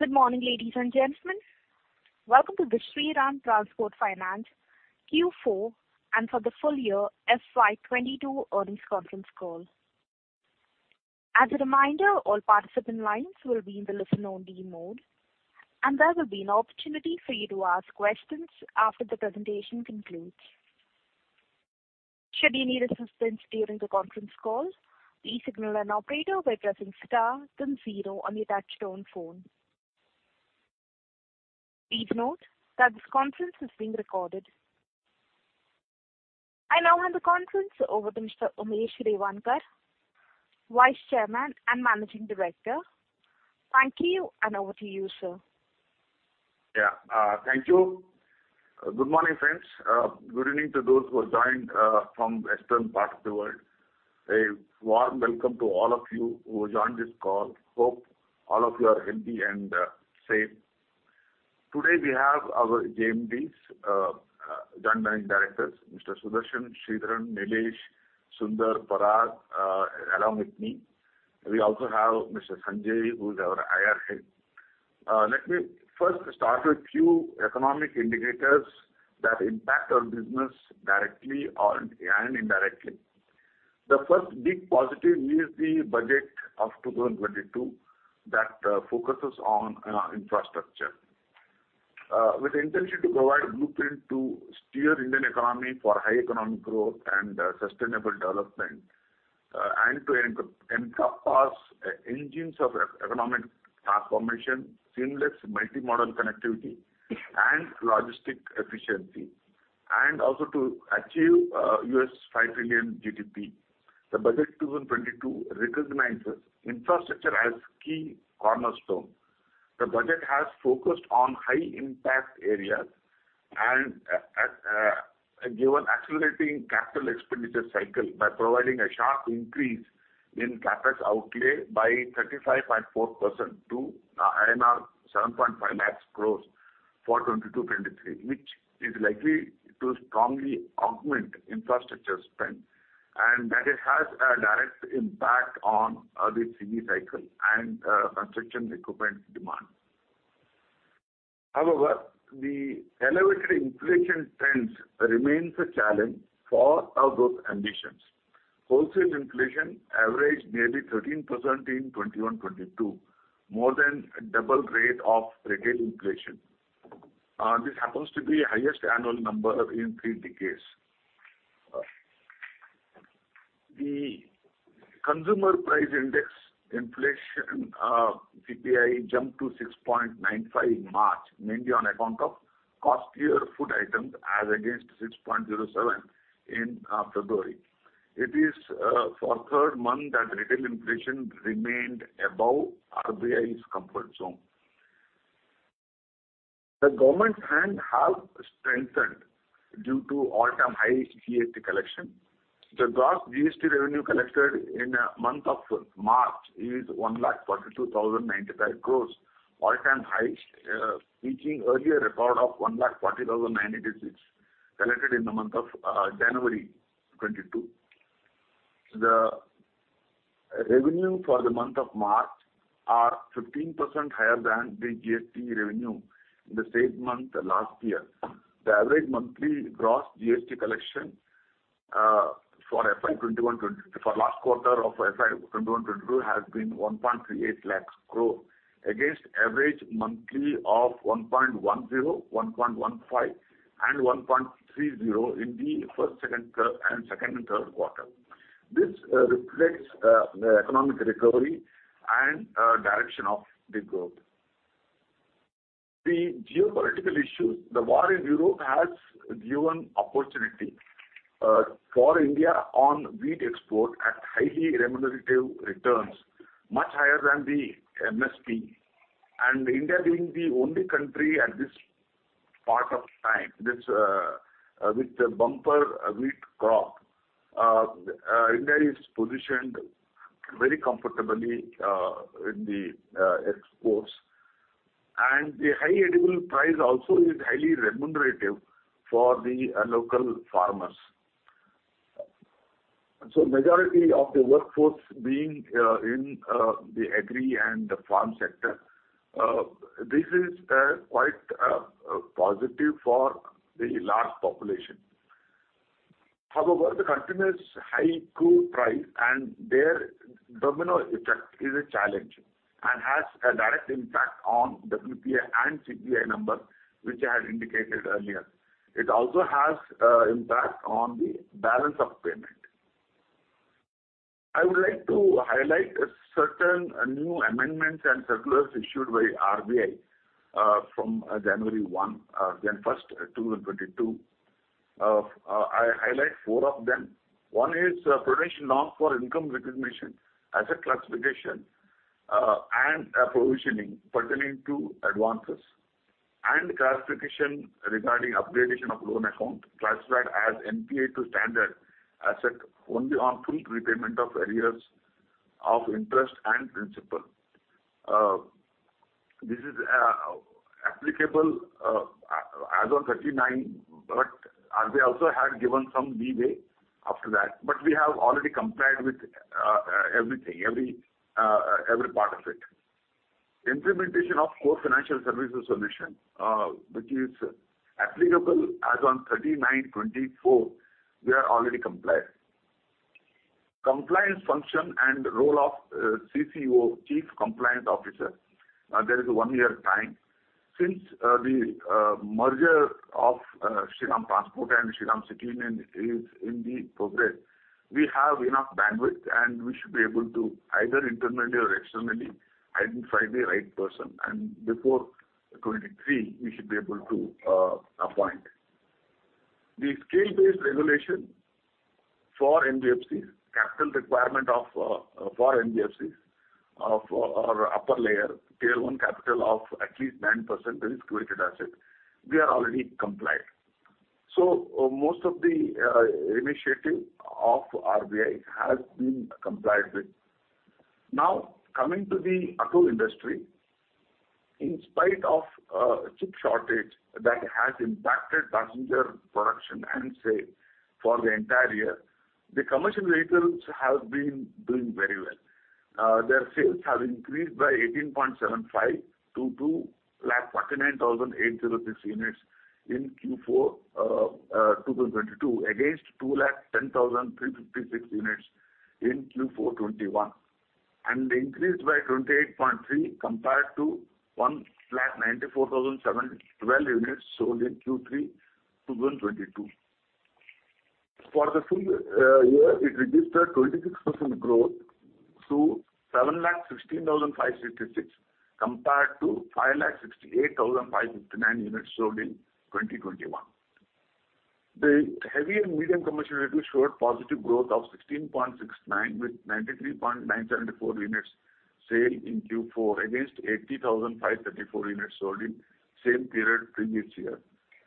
Good morning, ladies and gentlemen. Welcome to the Shriram Transport Finance Q4 and for the full year FY22 earnings conference call. As a reminder, all participant lines will be in the listen only mode, and there will be an opportunity for you to ask questions after the presentation concludes. Should you need assistance during the conference call, please signal an operator by pressing star then zero on your touchtone phone. Please note that this conference is being recorded. I now hand the conference over to Mr. Umesh Revankar, Vice Chairman and Managing Director. Thank you, and over to you, sir. Thank you. Good morning, friends. Good evening to those who have joined from western part of the world. A warm welcome to all of you who have joined this call. Hope all of you are healthy and safe. Today, we have our JMDs, Joint Managing Directors, Mr. Sudarshan, Sridhar, Nilesh, Sundar, Parag, along with me. We also have Mr. Sanjay, who is our IR head. Let me first start with few economic indicators that impact our business directly or indirectly. The first big positive is the budget of 2022 that focuses on infrastructure. With intention to provide blueprint to steer Indian economy for high economic growth and sustainable development, and to encompass engines of economic transformation, seamless multi-modal connectivity and logistic efficiency. Also to achieve $5 trillion GDP. The Budget 2022 recognizes infrastructure as key cornerstone. The budget has focused on high impact areas and given accelerating capital expenditure cycle by providing a sharp increase in CapEx outlay by 35.4% to 7.5 lakh crore for 2022-2023, which is likely to strongly augment infrastructure spend. That it has a direct impact on the CV cycle and construction equipment demand. However, the elevated inflation trends remains a challenge for our growth ambitions. Wholesale inflation averaged nearly 13% in 2021-2022, more than double rate of retail inflation. This happens to be highest annual number in three decades. The consumer price index inflation, CPI jumped to 6.95 in March, mainly on account of costlier food items as against 6.07 in February. It is for third month that retail inflation remained above RBI's comfort zone. The government's hands have strengthened due to all-time high GST collection. The gross GST revenue collected in the month of March is 1,42,095 crore, all-time highest, beating earlier record of 1,40,986 collected in the month of January 2022. The revenue for the month of March are 15% higher than the GST revenue in the same month last year. The average monthly gross GST collection for FY 2021-2022. For last quarter of FY 2021-2022 has been 1.38 lakh crore against average monthly of 1.10, 1.15 and 1.30 in the first, second and third quarter. This reflects the economic recovery and direction of the growth. The geopolitical issues, the war in Europe has given opportunity for India on wheat export at highly remunerative returns, much higher than the MSP. India being the only country at this point in time with the bumper wheat crop, India is positioned very comfortably in the exports. The high edible price also is highly remunerative for the local farmers. Majority of the workforce being in the agri and the farm sector, this is quite positive for the large population. However, the continuous high crude price and their domino effect is a challenge and has a direct impact on WPI and CPI numbers, which I had indicated earlier. It also has impact on the balance of payment. I would like to highlight certain new amendments and circulars issued by RBI from January 1, 2022. I highlight four of them. One is provision norm for income recognition, asset classification, and provisioning pertaining to advances. Classification regarding upgradation of loan account classified as NPA to standard asset only on full repayment of arrears of interest and principal. This is applicable as of March 31, 2019, but RBI also had given some leeway after that. We have already complied with everything, every part of it. Implementation of core financial services solution, which is applicable as on March 31, 2024, we are already compliant. Compliance function and role of CCO, chief compliance officer, there is one year time. Since the merger of Shriram Transport Finance and Shriram City Union Finance is in progress, we have enough bandwidth, and we should be able to either internally or externally identify the right person, and before 2023 we should be able to appoint. The scale-based regulation for NBFCs, capital requirement for NBFCs of the upper layer, Tier-I capital of at least 9% risk-weighted asset, we are already compliant. Most of the initiative of RBI has been complied with. Now, coming to the auto industry. In spite of chip shortage that has impacted passenger production and sales for the entire year, the commercial vehicles have been doing very well. Their sales have increased by 18.75% to 249,806 units in Q4 2022, against 210,356 units in Q4 2021, and increased by 28.3% compared to 194,712 units sold in Q3 2022. For the full year, it registered 26% growth to 716,566 compared to 568,559 units sold in 2021. The heavy and medium commercial vehicles showed positive growth of 16.69% with 93,974 units sold in Q4 against 80,534 units sold in same period previous year.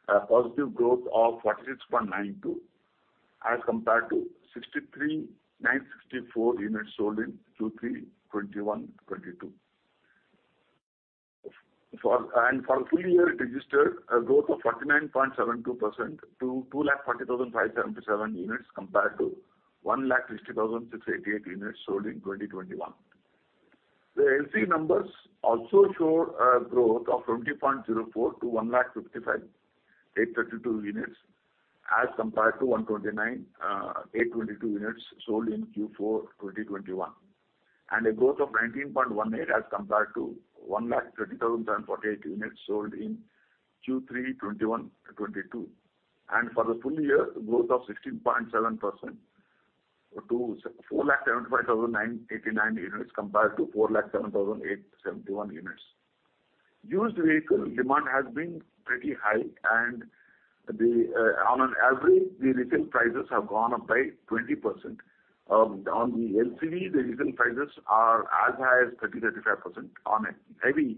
A positive growth of 46.92% as compared to 63,964 units sold in Q3 2022. For full year, it registered a growth of 49.72% to 240,577 units compared to 160,688 units sold in 2021. The LC numbers also show a growth of 20.04% to 155,832 units as compared to 129,822 units sold in Q4 2021, and a growth of 19.18% as compared to 130,048 units sold in Q3 2021-2022. For the full year, growth of 16.7% to 475,989 units compared to 407,871 units. Used vehicle demand has been pretty high, and on average, the retail prices have gone up by 20%. On the LCV, the retail prices are as high as 30%-35% on it. Heavy,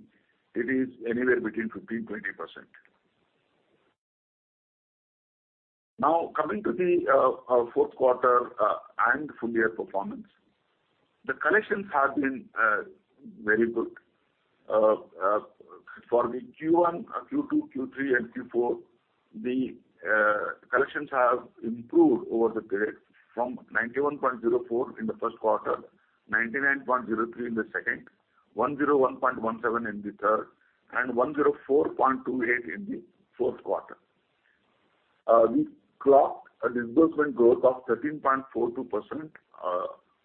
it is anywhere between 15%-20%. Now, coming to the fourth quarter and full year performance. The collections have been very good. For the Q1, Q2, Q3, and Q4, the collections have improved over the period from 91.04% in the first quarter, 99.03% in the second, 101.17% in the third, and 104.28% in the fourth quarter. We clocked a disbursement growth of 13.42%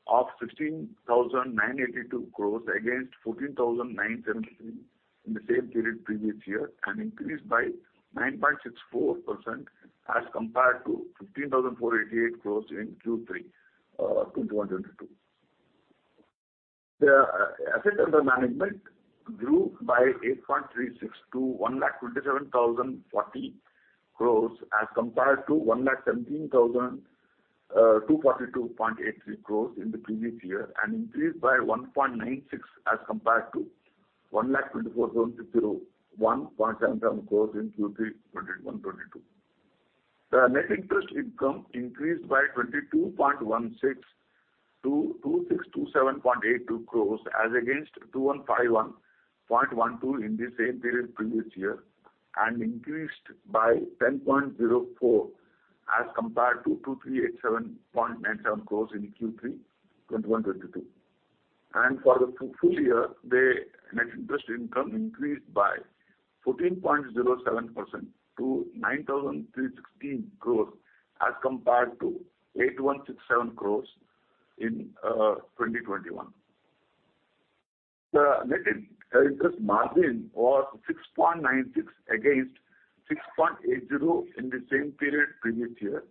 of 16,982 crores against 14,973 crores in the same period previous year, and increased by 9.64% as compared to 15,488 crores in Q3 2022. The asset under management grew by 8.36% to 1,27,040 crore as compared to 1,17,242.83 crore in the previous year, and increased by 1.96% as compared to 1,24,001.77 crore in Q3 2021-2022. The net interest income increased by 22.16% to 2,627.82 crore as against 2,151.12 crore in the same period previous year, and increased by 10.04% as compared to 2,387.97 crore in Q3 2021-2022. For the full year, the net interest income increased by 14.07% to 9,316 crore as compared to 8,167 crore in 2021. The net interest margin was 6.96% against 6.80% in the same period previous year,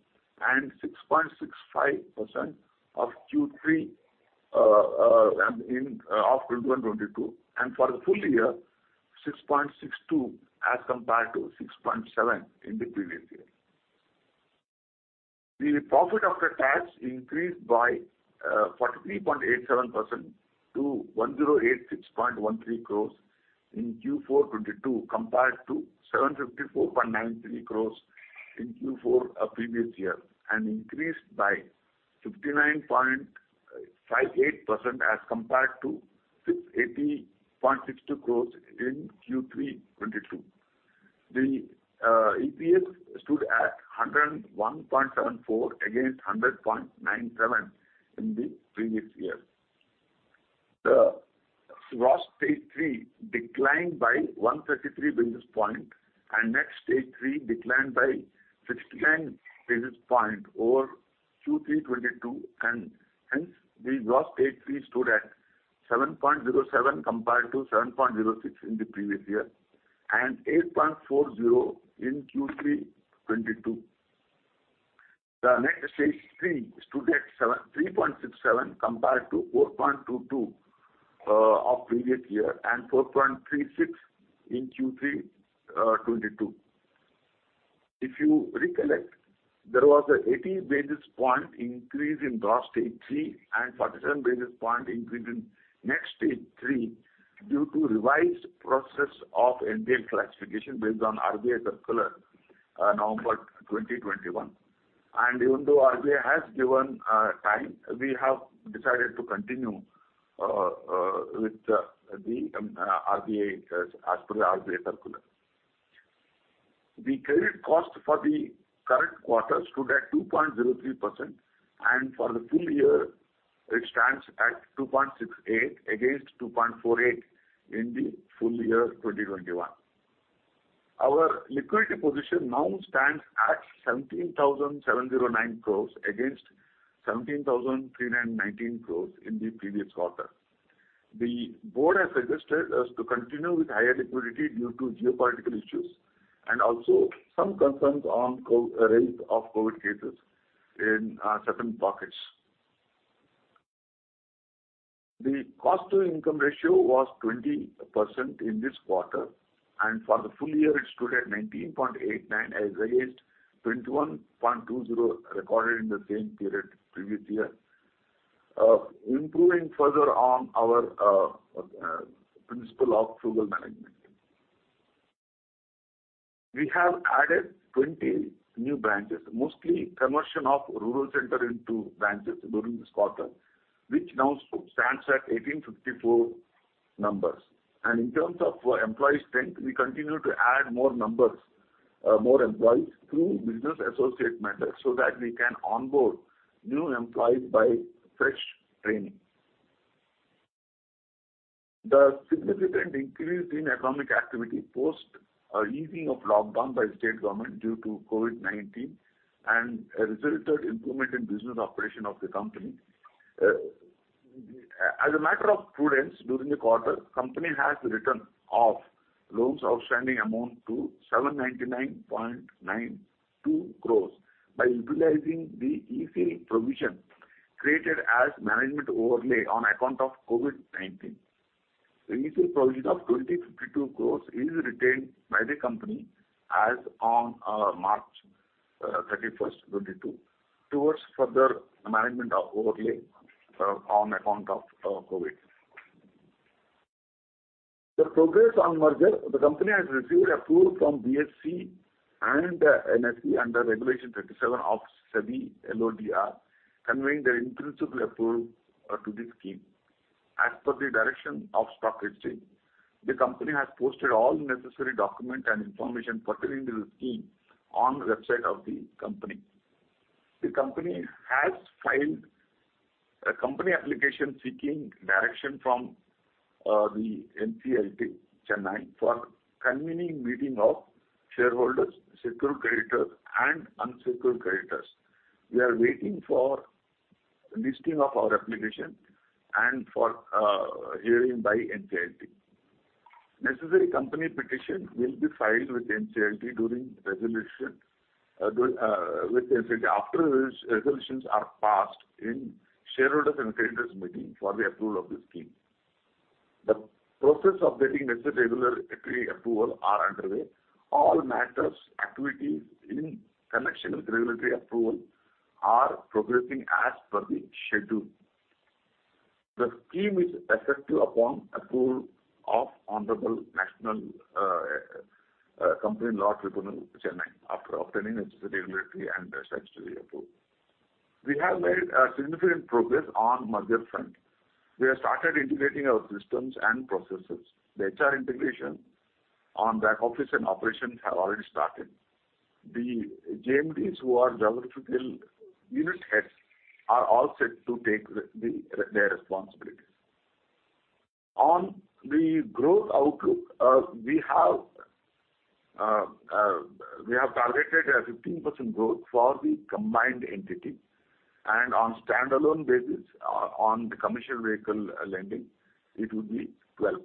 and 6.65% in Q3 of 2022. For the full year, 6.62% as compared to 6.7% in the previous year. The profit after tax increased by 43.87% to 1,086.13 crores in Q4 2022 compared to 754.93 crores in Q4 of previous year, and increased by 59.58% as compared to 680.62 crores in Q3 2022. EPS stood at 101.74 against 100.97 in the previous year. The gross Stage 3 declined by 133 basis point and Net Stage 3 declined by 69 basis point over Q3 2022 and hence the gross Stage 3 stood at 7.07% compared to 7.06% in the previous year and 8.40% in Q3 2022. The Net Stage 3 stood at 3.67% compared to 4.22% of previous year and 4.36% in Q3 2022. If you recollect, there was an 80 basis point increase in gross Stage 3 and 47 basis point increase in Net Stage 3 due to revised process of NPA classification based on RBI circular November 2021. Even though RBI has given time, we have decided to continue with the RBI as per the RBI circular. The credit cost for the current quarter stood at 2.03%, and for the full year it stands at 2.68 against 2.48 in the full year 2021. Our liquidity position now stands at 17,709 crore against 17,319 crore in the previous quarter. The board has suggested us to continue with higher liquidity due to geopolitical issues and also some concerns on a rise of COVID-19 cases in certain pockets. The cost to income ratio was 20% in this quarter, and for the full year it stood at 19.89 as against 21.20 recorded in the same period previous year, improving further on our principle of frugal management. We have added 20 new branches, mostly conversion of rural center into branches during this quarter, which now stands at 1,854 numbers. In terms of employee strength, we continue to add more numbers, more employees through business associate model so that we can onboard new employees by fresh training. The significant increase in economic activity post easing of lockdown by state government due to COVID-19 and resulted improvement in business operation of the company. As a matter of prudence during the quarter, company has written off loans outstanding amount to 799.92 crores by utilizing the EC provision created as management overlay on account of COVID-19. The EC provision of 2,052 crores is retained by the company as on March 31, 2022 towards further management of overlay on account of COVID. The progress on merger, the company has received approval from BSE and NSE under Regulation 37 of SEBI LODR, conveying their in-principle approval to the scheme. As per the direction of stock exchange, the company has posted all necessary document and information pertaining to the scheme on the website of the company. The company has filed a company application seeking direction from the NCLT Chennai for convening meeting of shareholders, secured creditors and unsecured creditors. We are waiting for listing of our application and for hearing by NCLT. Necessary company petition will be filed with NCLT after resolutions are passed in shareholders' and creditors' meeting for the approval of the scheme. The process of getting necessary regulatory approval are underway. All matters, activities in connection with regulatory approval are progressing as per the schedule. The scheme is effective upon approval of Honorable National Company Law Tribunal, Chennai after obtaining necessary regulatory and statutory approval. We have made a significant progress on merger front. We have started integrating our systems and processes. The HR integration on back office and operations have already started. The JMDs who are geographical unit heads are all set to take their responsibilities. On the growth outlook, we have targeted a 15% growth for the combined entity and on standalone basis on the commercial vehicle lending it would be 12%.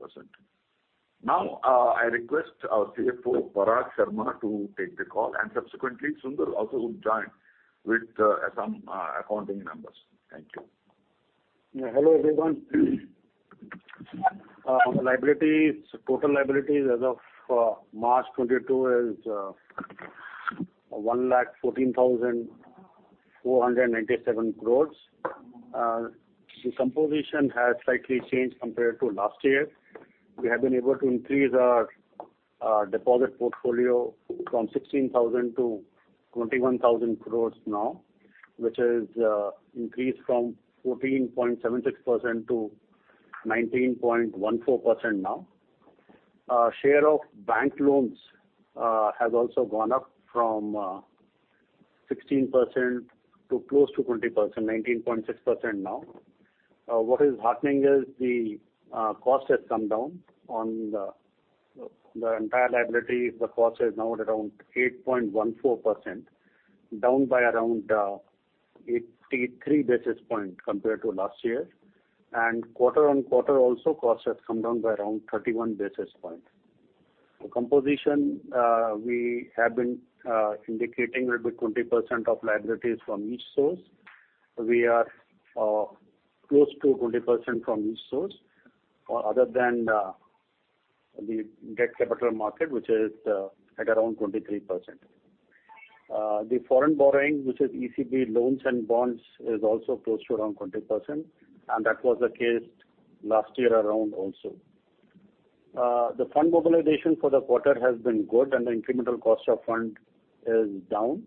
Now, I request our CFO, Parag Sharma, to take the call and subsequently Sundar also would join with some accounting numbers. Thank you. Yeah. Hello, everyone. Liabilities, total liabilities as of March 2022 is 1,14,497 crore. The composition has slightly changed compared to last year. We have been able to increase our deposit portfolio from 16,000 crore to 21,000 crore now, which is increased from 14.76% to 19.14% now. Share of bank loans has also gone up from 16% to close to 20%, 19.6% now. What is happening is the cost has come down on the entire liability. The cost is now at around 8.14%, down by around 83 basis points compared to last year, and quarter-on-quarter also cost has come down by around 31 basis points. The composition we have been indicating will be 20% of liabilities from each source. We are close to 20% from each source, other than the debt capital market, which is at around 23%. The foreign borrowing, which is ECB loans and bonds, is also close to around 20%, and that was the case last year around also. The fund mobilization for the quarter has been good and the incremental cost of fund is down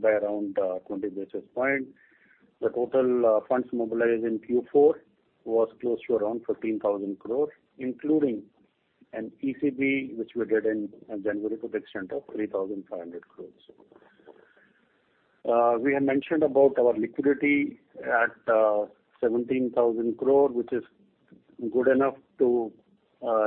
by around 20 basis points. The total funds mobilized in Q4 was close to around 15,000 crore, including an ECB which we did in January to the extent of 3,500 crore. We had mentioned about our liquidity at 17,000 crore, which is good enough to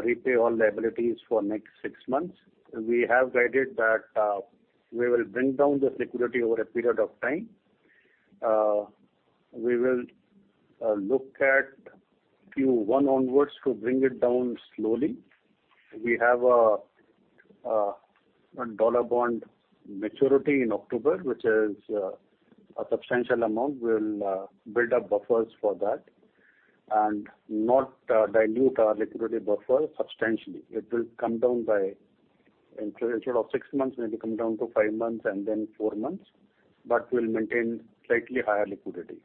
repay all liabilities for next six months. We have guided that we will bring down this liquidity over a period of time. We will look at Q1 onwards to bring it down slowly. We have a dollar bond maturity in October, which is a substantial amount. We'll build up buffers for that and not dilute our liquidity buffer substantially. It will come down by, instead of six months, maybe come down to five months and then four months, but we'll maintain slightly higher liquidity.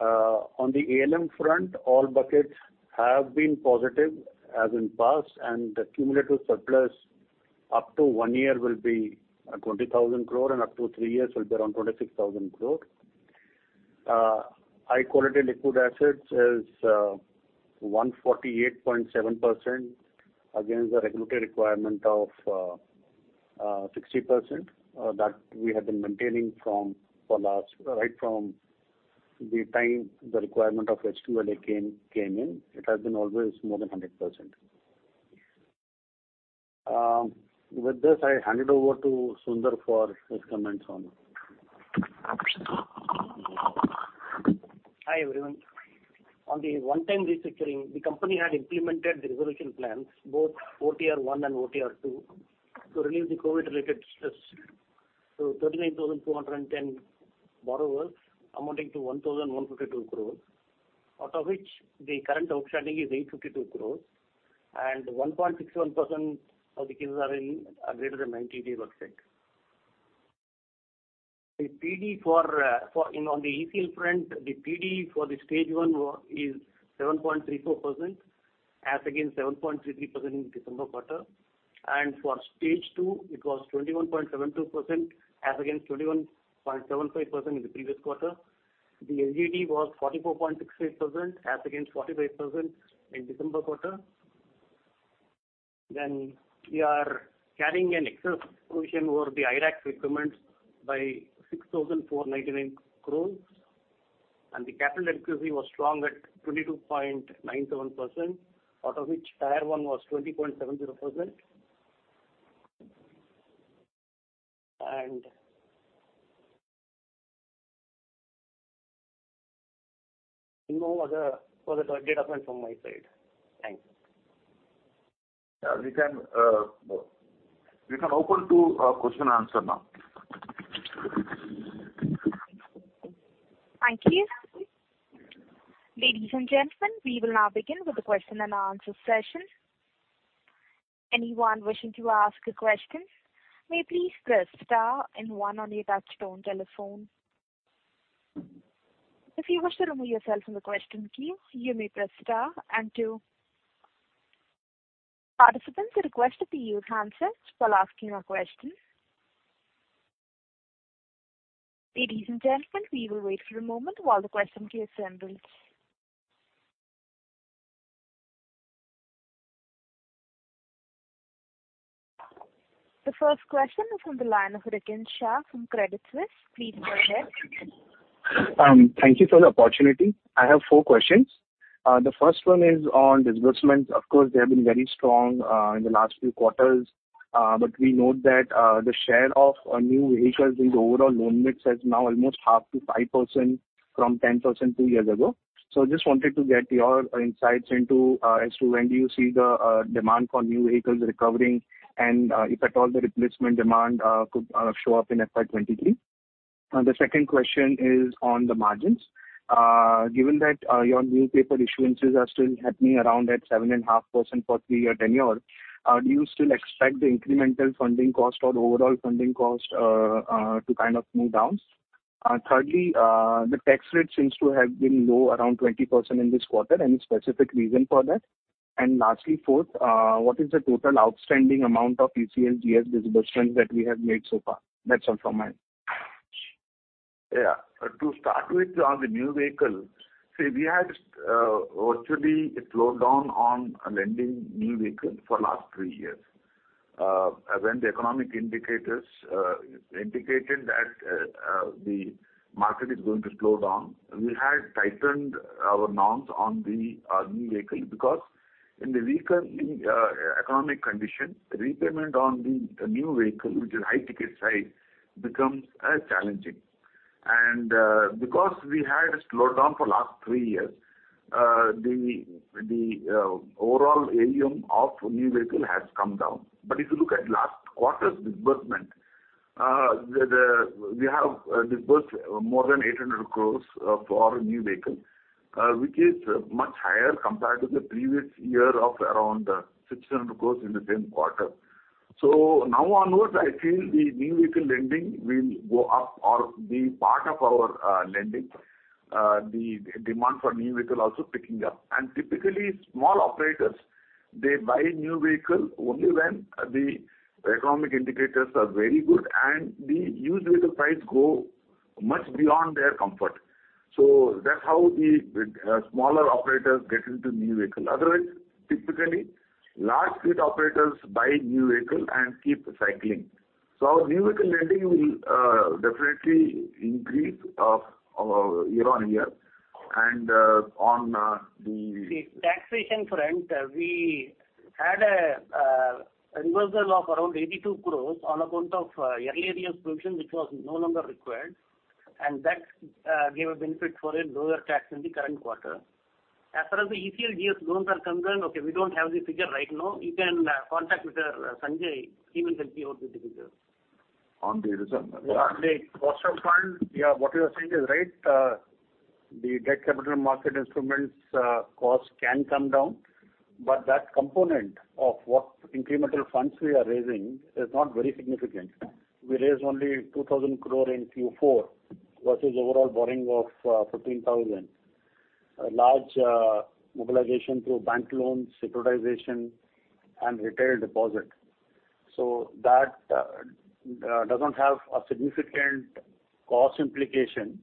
On the ALM front, all buckets have been positive as in past, and the cumulative surplus up to one year will be 20,000 crore and up to three years will be around 26,000 crore. High-quality liquid assets is 148.7% against the regulatory requirement of 60%. That we have been maintaining right from the time the requirement of HQLA came in. It has been always more than 100%. With this, I hand it over to Sundar for his comments on. Hi, everyone. On the one-time restructuring, the company had implemented the resolution plans, both OTR 1 and OTR 2, to relieve the COVID-related stress to 39,210 borrowers, amounting to 1,152 crores, out of which the current outstanding is 852 crores and 1.61% of the cases are in greater than 90-day [period]. The PD for, in on the ECL front, the PD for Stage 1 is 7.34% as against 7.33% in December quarter. For Stage 2, it was 21.72% as against 21.75% in the previous quarter. The LGD was 44.66% as against 45% in December quarter. We are carrying an excess provision over the IRAC requirements by 6,499 crores, and the capital adequacy was strong at 22.97%, out of which Tier-I was 20.70%. No other further data point from my side. Thanks. Yeah, we can open to question answer now. Thank you. Ladies and gentlemen, we will now begin with the question and answer session. Anyone wishing to ask a question may please press star and one on your touchtone telephone. If you wish to remove yourself from the question queue, you may press star and two. Participants are requested to use handsets while asking a question. Ladies and gentlemen, we will wait for a moment while the question queue assembles. The first question is from the line of Rikin Shah from Credit Suisse. Please go ahead. Thank you for the opportunity. I have four questions. The first one is on disbursements. Of course, they have been very strong in the last few quarters. But we note that the share of new vehicles in the overall loan mix has now almost halved to 5% from 10% two years ago. Just wanted to get your insights into as to when do you see the demand for new vehicles recovering and if at all the replacement demand could show up in FY 2023. The second question is on the margins. Given that your new paper issuances are still happening around at 7.5% for three-year tenure, do you still expect the incremental funding cost or overall funding cost to kind of move down? Thirdly, the tax rate seems to have been low around 20% in this quarter. Any specific reason for that? Lastly, fourth, what is the total outstanding amount of ECLGS disbursements that we have made so far? That's all from my end. Yeah. To start with, on the new vehicle, see, we had virtually slowed down on lending new vehicle for last three years. When the economic indicators indicated that the market is going to slow down, we had tightened our norms on the new vehicle because in the recent economic condition, the repayment on the new vehicle, which is high ticket size, becomes challenging. Because we had slowed down for last three years, the overall AUM of new vehicle has come down. If you look at last quarter's disbursement, we have disbursed more than 800 crore for new vehicle, which is much higher compared to the previous year of around 600 crore in the same quarter. Now onwards I feel the new vehicle lending will go up or be part of our lending. The demand for new vehicle also picking up. Typically small operators, they buy new vehicle only when the economic indicators are very good and the used vehicle price go much beyond their comfort. That's how the smaller operators get into new vehicle. Otherwise, typically, large fleet operators buy new vehicle and keep cycling. Our new vehicle lending will definitely increase year-on-year. The taxation front, we had a reversal of around 82 crore on account of early years provision, which was no longer required, and that gave a benefit for a lower tax in the current quarter. As far as the ECLGS loans are concerned, okay, we don't have the figure right now. You can contact Mr. Sanjay. He will help you out with the figures. On the reserve. On the cost of funds, yeah, what you are saying is right. The debt capital market instruments cost can come down, but that component of what incremental funds we are raising is not very significant. We raised only 2,000 crore in Q4 versus overall borrowing of 15,000 crore. A large mobilization through bank loans, securitization and retail deposit. That doesn't have a significant cost implication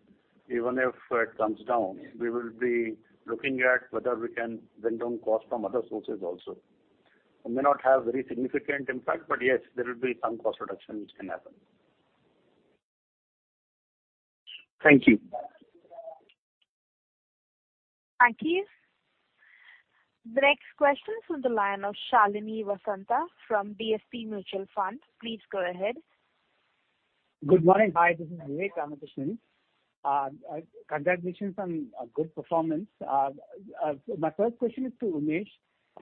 even if it comes down. We will be looking at whether we can bring down cost from other sources also. It may not have very significant impact, but yes, there will be some cost reduction which can happen. Thank you. Thank you. The next question is from the line of Shalini Vasantha from DSP Mutual Fund. Please go ahead. Good morning. Hi, this is Vivek Ramakrishnan. Congratulations on a good performance. My first question is to Umesh Revankar,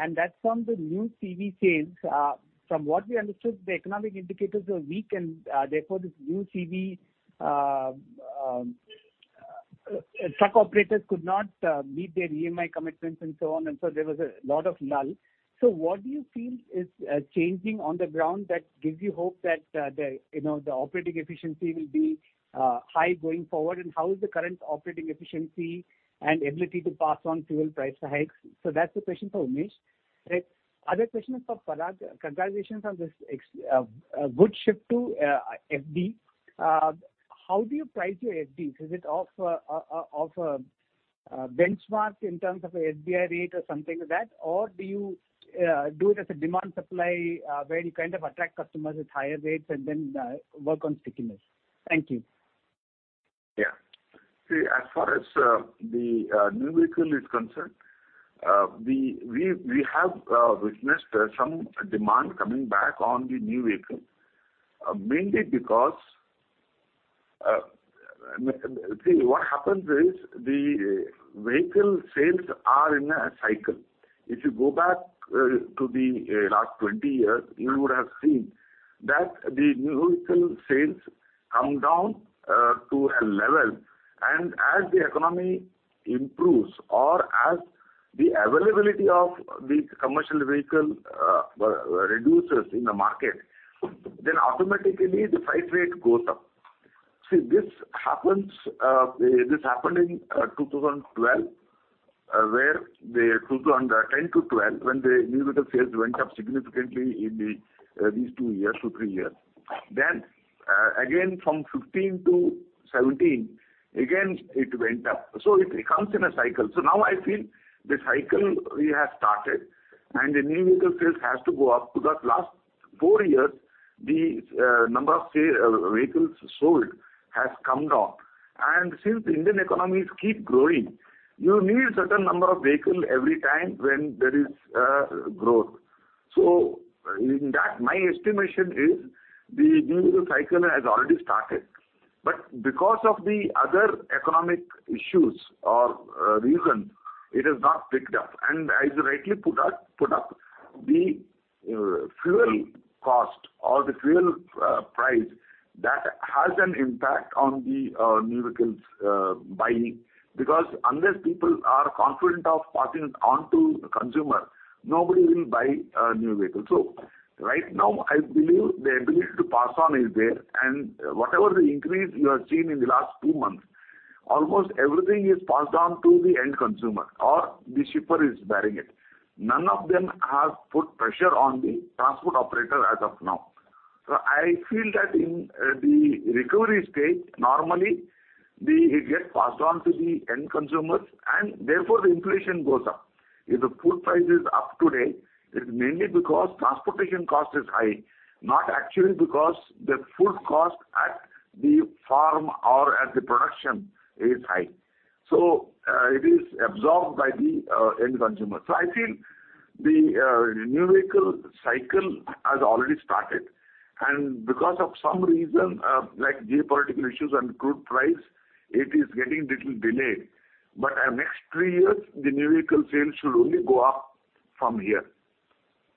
and that's on the new CV sales. From what we understood, the economic indicators were weak and therefore this new CV truck operators could not meet their EMI commitments and so on, and so there was a lot of lull. What do you feel is changing on the ground that gives you hope that the operating efficiency will be high going forward, and how is the current operating efficiency and ability to pass on fuel price hikes? That's the question for Umesh Revankar. Other question is for Parag Sharma. Congratulations on this good shift to FD. How do you price your FD? Is it off a benchmark in terms of a SBI rate or something like that? Or do you do it as a demand supply where you kind of attract customers with higher rates and then work on stickiness? Thank you. Yeah. See, as far as the new vehicle is concerned, we have witnessed some demand coming back on the new vehicle, mainly because see what happens is the vehicle sales are in a cycle. If you go back to the last 20 years, you would have seen that the new vehicle sales come down to a level, and as the economy improves or as the availability of the commercial vehicle reduces in the market, then automatically the freight rate goes up. See, this happens, this happened in 2012, where the 2010-2012, when the new vehicle sales went up significantly in the these two years to three years. Then, again from 2015-2017, again it went up. It comes in a cycle. Now I feel the cycle we have started and the new vehicle sales has to go up because last four years the number of vehicles sold has come down. Since Indian economies keep growing, you need certain number of vehicle every time when there is growth. In that, my estimation is the new vehicle cycle has already started. Because of the other economic issues or reason, it has not picked up. As you rightly put up, the fuel cost or the fuel price, that has an impact on the new vehicles buying. Because unless people are confident of passing it on to consumer, nobody will buy a new vehicle. Right now, I believe the ability to pass on is there, and whatever the increase you have seen in the last two months. Almost everything is passed on to the end consumer or the shipper is bearing it. None of them have put pressure on the transport operator as of now. I feel that in the recovery stage, normally it gets passed on to the end consumers and therefore the inflation goes up. If the food price is up today, it's mainly because transportation cost is high, not actually because the food cost at the farm or at the production is high. It is absorbed by the end consumer. I think the new vehicle cycle has already started, and because of some reason, like geopolitical issues and crude price, it is getting little delayed. Next three years, the new vehicle sales should only go up from here.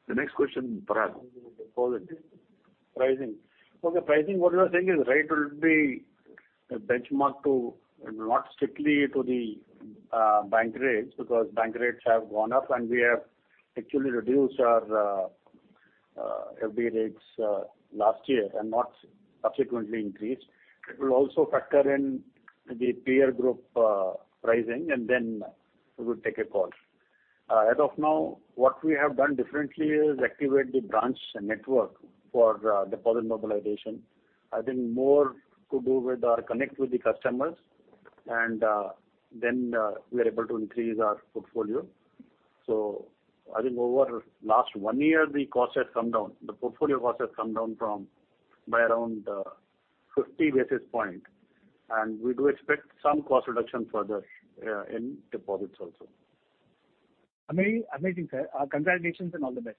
The next question, Parag. Deposits. Pricing. For the pricing, what we are saying is rate will be benchmarked to not strictly to the bank rates, because bank rates have gone up and we have actually reduced our FD rates last year and not subsequently increased. It will also factor in the peer group pricing, and then we will take a call. As of now, what we have done differently is activate the branch network for deposit mobilization. I think more to do with our connect with the customers and then we are able to increase our portfolio. I think over last one year the cost has come down, the portfolio cost has come down by around 50 basis points and we do expect some cost reduction further in deposits also. Amazing. Amazing, sir. Congratulations and all the best.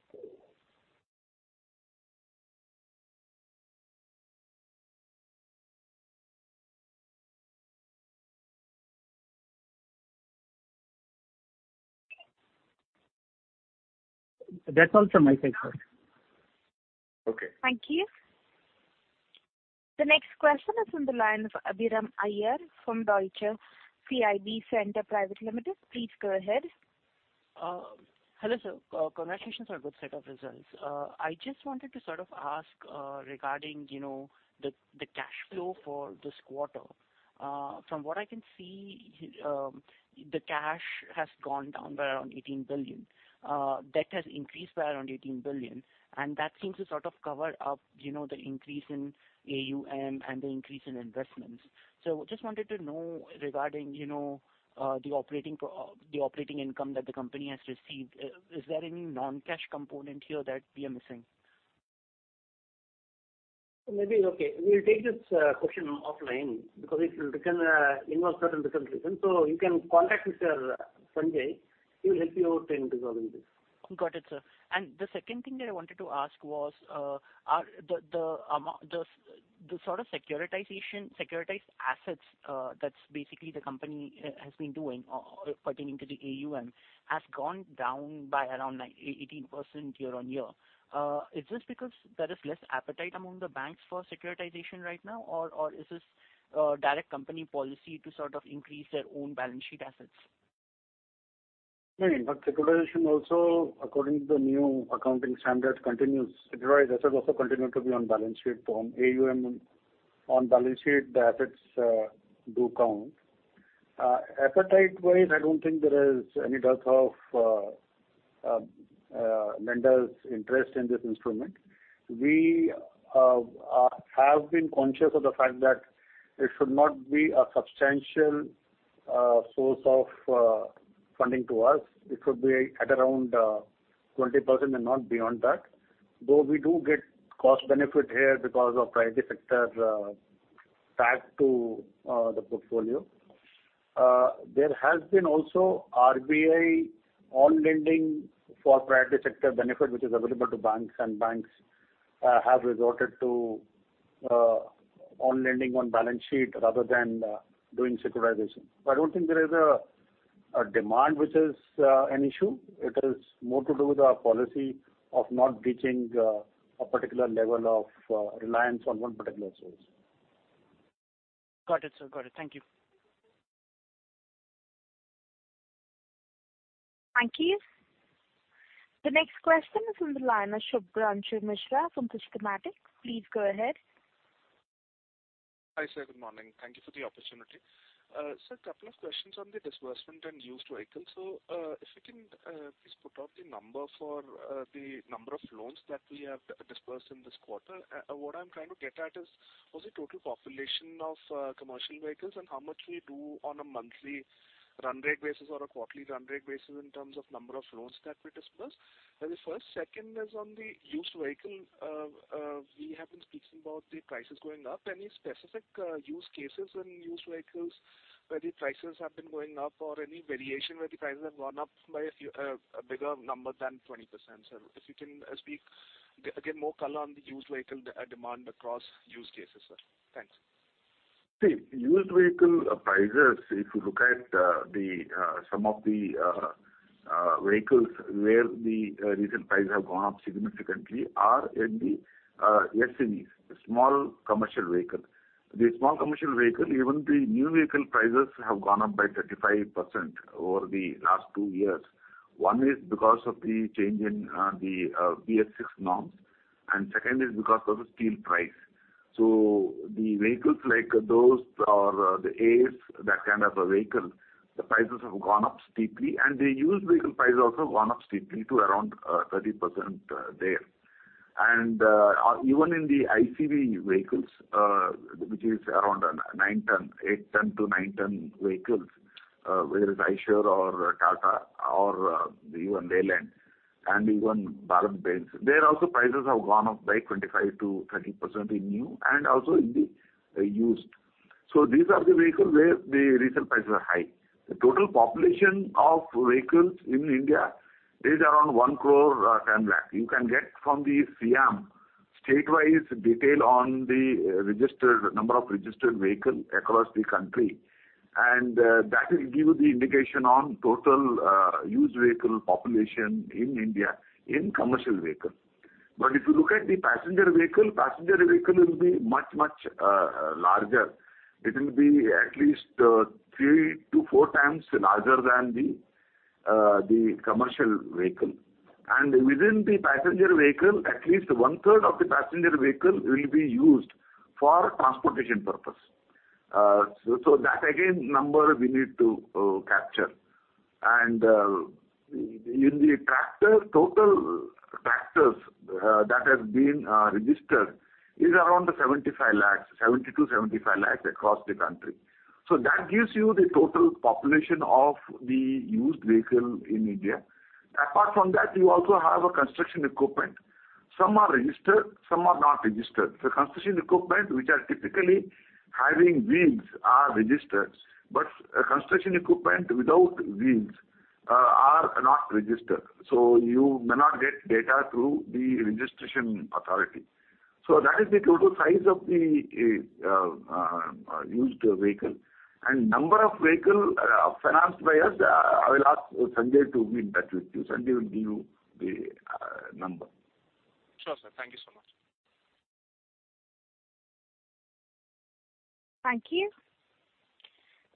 That's all from my side, sir. Okay. Thank you. The next question is from the line of Abiram Iyer from Deutsche CIB Centre Private Limited. Please go ahead. Hello sir. Congratulations on good set of results. I just wanted to sort of ask, regarding, you know, the cash flow for this quarter. From what I can see, the cash has gone down by around 18 billion. Debt has increased by around 18 billion, and that seems to sort of cover up, you know, the increase in AUM and the increase in investments. Just wanted to know regarding, you know, the operating income that the company has received. Is there any non-cash component here that we are missing? Maybe, okay, we'll take this question offline because it will require involve certain considerations. You can contact Mr. Sanjay. He'll help you out in resolving this. Got it, sir. The second thing that I wanted to ask was, are the sort of securitization, securitized assets, that's basically the company has been doing or pertaining to the AUM has gone down by around like 18% year-on-year. Is this because there is less appetite among the banks for securitization right now or is this direct company policy to sort of increase their own balance sheet assets? No, in fact, securitization also according to the new accounting standard continues. Securitized assets also continue to be on balance sheet. On AUM on balance sheet, the assets do count. Appetite wise, I don't think there is any dearth of lenders' interest in this instrument. We have been conscious of the fact that it should not be a substantial source of funding to us. It should be at around 20% and not beyond that. Though we do get cost benefit here because of priority sector tag to the portfolio. There has been also RBI on lending for priority sector benefit which is available to banks and banks have resorted to on lending on balance sheet rather than doing securitization. I don't think there is a demand which is an issue. It is more to do with our policy of not reaching a particular level of reliance on one particular source. Got it, sir. Got it. Thank you. Thank you. The next question is from the line of Shubhranshu Mishra from Systematix Group. Please go ahead. Hi, sir. Good morning. Thank you for the opportunity. Sir, couple of questions on the disbursement and used vehicle. If you can please put out the number for the number of loans that we have disbursed in this quarter. What I'm trying to get at is what's the total population of commercial vehicles and how much we do on a monthly run rate basis or a quarterly run rate basis in terms of number of loans that we disbursed as a first. Second is on the used vehicle. We have been speaking about the prices going up. Any specific use cases in used vehicles where the prices have been going up or any variation where the prices have gone up by a few a bigger number than 20%, sir? If you can speak, get more color on the used vehicle demand across use cases, sir? Thanks. See, used vehicle prices, if you look at some of the vehicles where the recent prices have gone up significantly are in the SCVs, small commercial vehicle. The small commercial vehicle, even the new vehicle prices have gone up by 35% over the last two years. One is because of the change in the BS-VI norms and second is because of the steel price. The vehicles like Dost or the Ace, that kind of a vehicle, the prices have gone up steeply, and the used vehicle price also gone up steeply to around 30%, there. Even in the ICV vehicles, which is around 9-ton, 8-ton to 9-ton vehicles, whether it's Eicher or Tata or even Leyland and even BharatBenz, there also prices have gone up by 25%-30% in new and also in the used. These are the vehicles where the resale prices are high. The total population of vehicles in India is around 1 crore, 10 lakh. You can get from the SIAM, state-wise detail on the registered number of registered vehicle across the country, and that will give you the indication on total, used vehicle population in India in commercial vehicle. If you look at the passenger vehicle, passenger vehicle will be much, much, larger. It will be at least, 3x-4x larger than the commercial vehicle. Within the passenger vehicle, at least one-third of the passenger vehicle will be used for transportation purpose. That again, number we need to capture. In the tractor, total tractors that have been registered is around 72-75 lakhs across the country. That gives you the total population of the used vehicle in India. Apart from that, you also have a construction equipment. Some are registered, some are not registered. The construction equipment which are typically having wheels are registered, but construction equipment without wheels are not registered. You may not get data through the registration authority. That is the total size of the used vehicle. Number of vehicle financed by us, I will ask Sanjay to be in touch with you. Sanjay will give you the number. Sure, sir. Thank you so much. Thank you.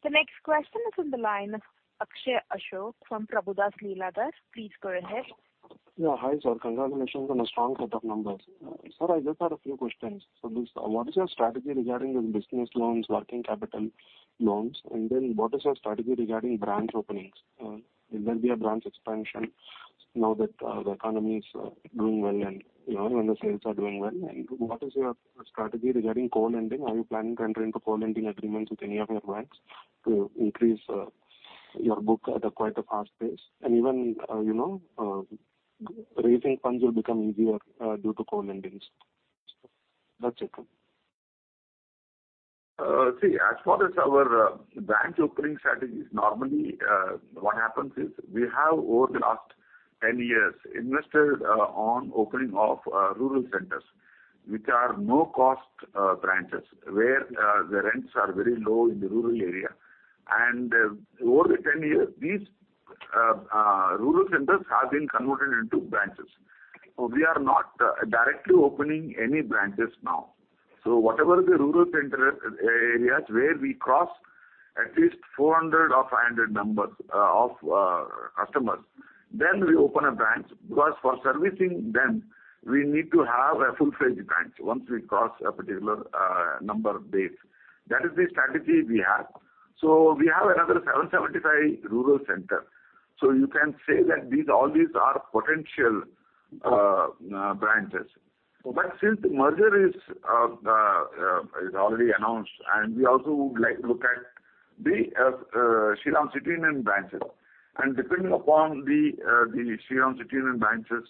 The next question is on the line of Akshay Ashok from Prabhudas Lilladher. Please go ahead. Yeah, hi, sir. Congratulations on a strong set of numbers. Sir, I just had a few questions. What is your strategy regarding the business loans, working capital loans? What is your strategy regarding branch openings? Will there be a branch expansion now that the economy is doing well and, you know, when the sales are doing well? What is your strategy regarding co-lending? Are you planning to enter into co-lending agreements with any of your banks to increase your book at a quite fast pace? Even, you know, raising funds will become easier due to co-lendings. That's it. See, as far as our branch opening strategy is normally, what happens is we have over the last 10 years invested on opening of rural centers, which are no-cost branches, where the rents are very low in the rural area. Over the 10 years, these rural centers have been converted into branches. We are not directly opening any branches now. Whatever the rural center areas where we cross at least 400 or 500 members of customers, then we open a branch. Because for servicing them, we need to have a full-fledged branch once we cross a particular member base. That is the strategy we have. We have another 775 rural center. You can say that these, all these are potential branches. Since merger is already announced, and we also would like to look at the Shriram City Union branches. Depending upon the Shriram City Union branches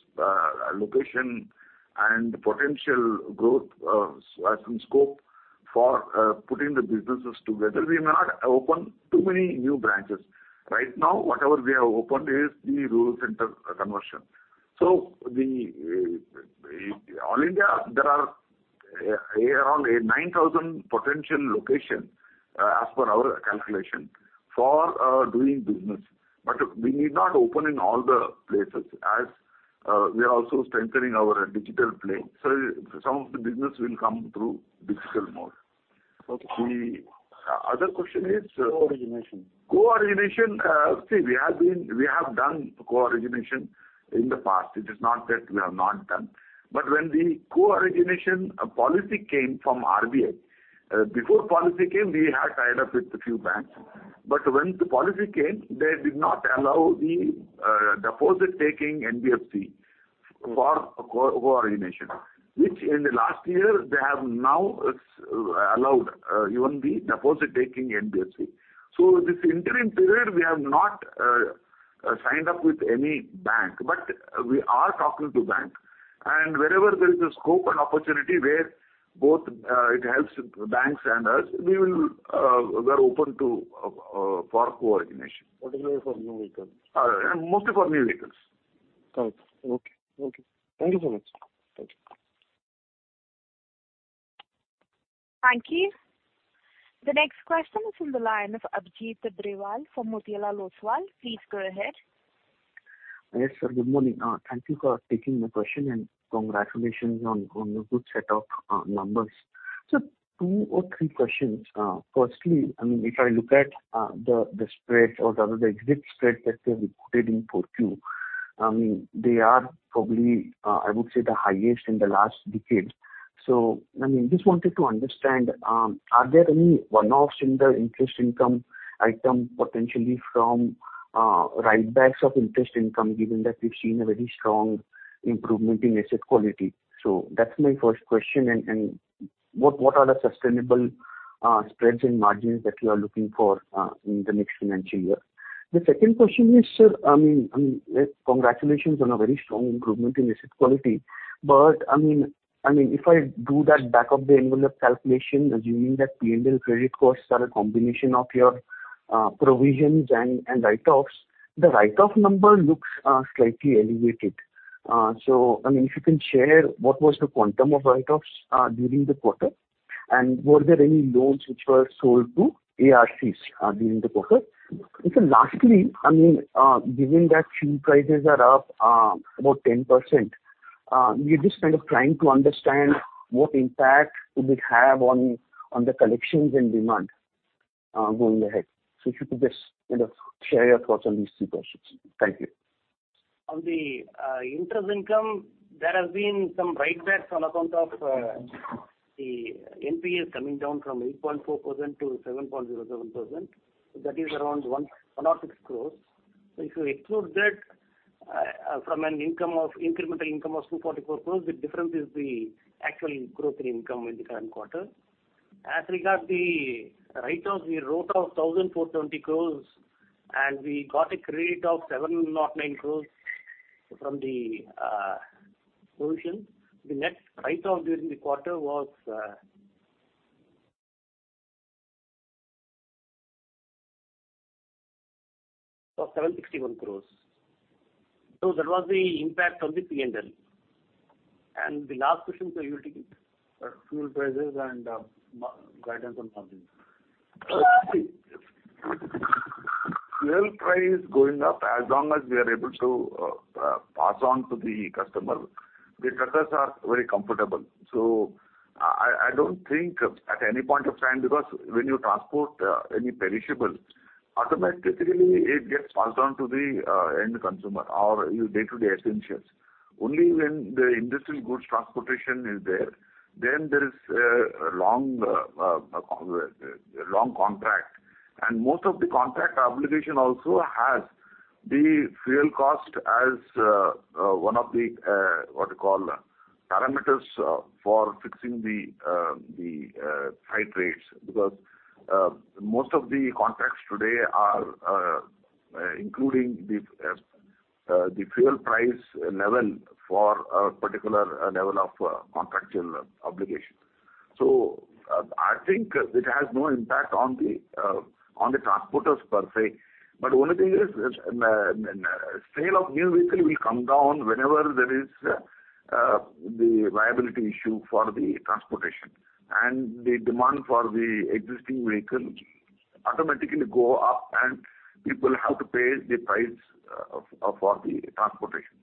location and potential growth and scope for putting the businesses together, we've not opened too many new branches. Right now, whatever we have opened is the rural center conversion. All India, there are around 9,000 potential locations as per our calculation for doing business. We need not open in all the places, as we are also strengthening our digital play. Some of the business will come through digital mode. Okay. The other question is? Co-origination. Co-origination, we have been, we have done co-origination in the past. It is not that we have not done. When the co-origination policy came from RBI, before policy came, we had tied up with a few banks. When the policy came, they did not allow the deposit-taking NBFC for co-origination, which in the last year they have now allowed even the deposit-taking NBFC. This interim period, we have not signed up with any bank, but we are talking to bank. Wherever there is a scope and opportunity where both it helps banks and us, we are open to for co-origination. Particularly for new vehicles. Mostly for new vehicles. Got it. Okay. Thank you so much. Thank you. Thank you. The next question is on the line of Abhijit Tibrewal from Motilal Oswal. Please go ahead. Yes, sir. Good morning. Thank you for taking the question, and congratulations on the good set of numbers. Two or three questions. Firstly, I mean, if I look at the spread or rather the exit spread that they reported in Q4, I mean, they are probably, I would say the highest in the last decade. I mean, just wanted to understand, are there any one-offs in the interest income item potentially from write-backs of interest income, given that we've seen a very strong improvement in asset quality. That's my first question. What are the sustainable spreads and margins that you are looking for in the next financial year? The second question is, sir, I mean, congratulations on a very strong improvement in asset quality. I mean, if I do that back-of-the-envelope calculation, assuming that P&L credit costs are a combination of your provisions and write-offs, the write-off number looks slightly elevated. If you can share what was the quantum of write-offs during the quarter, and were there any loans which were sold to ARCs during the quarter? Lastly, given that fuel prices are up about 10%, we're just kind of trying to understand what impact it will have on the collections and demand going ahead. If you could just kind of share your thoughts on these two questions. Thank you. On the interest income, there has been some write backs on account of the NPAs coming down from 8.4%-7.07%. That is around 100 crore. If you exclude that from an income of incremental income of 244 crore, the difference is the actual growth in income in the current quarter. As regards the write-offs, we wrote off 1,420 crore, and we got a credit of 709 crore from the provision. The net write-off during the quarter was of 761 crore. That was the impact on the P&L. The last question, so you'll take it. Fuel prices and guidance on margins. Fuel price is going up as long as we are able to pass on to the customer. The truckers are very comfortable. I don't think at any point of time, because when you transport any perishable, automatically it gets passed on to the end consumer or your day-to-day essentials. Only when the industrial goods transportation is there, then there is a long contract. Most of the contract obligation also has the fuel cost as one of the what you call parameters for fixing the freight rates. Most of the contracts today are including the fuel price level for a particular level of contractual obligation. I think it has no impact on the transporters per se. Only thing is, sale of new vehicle will come down whenever there is the viability issue for the transportation. The demand for the existing vehicle automatically go up, and people have to pay the price for the transportation.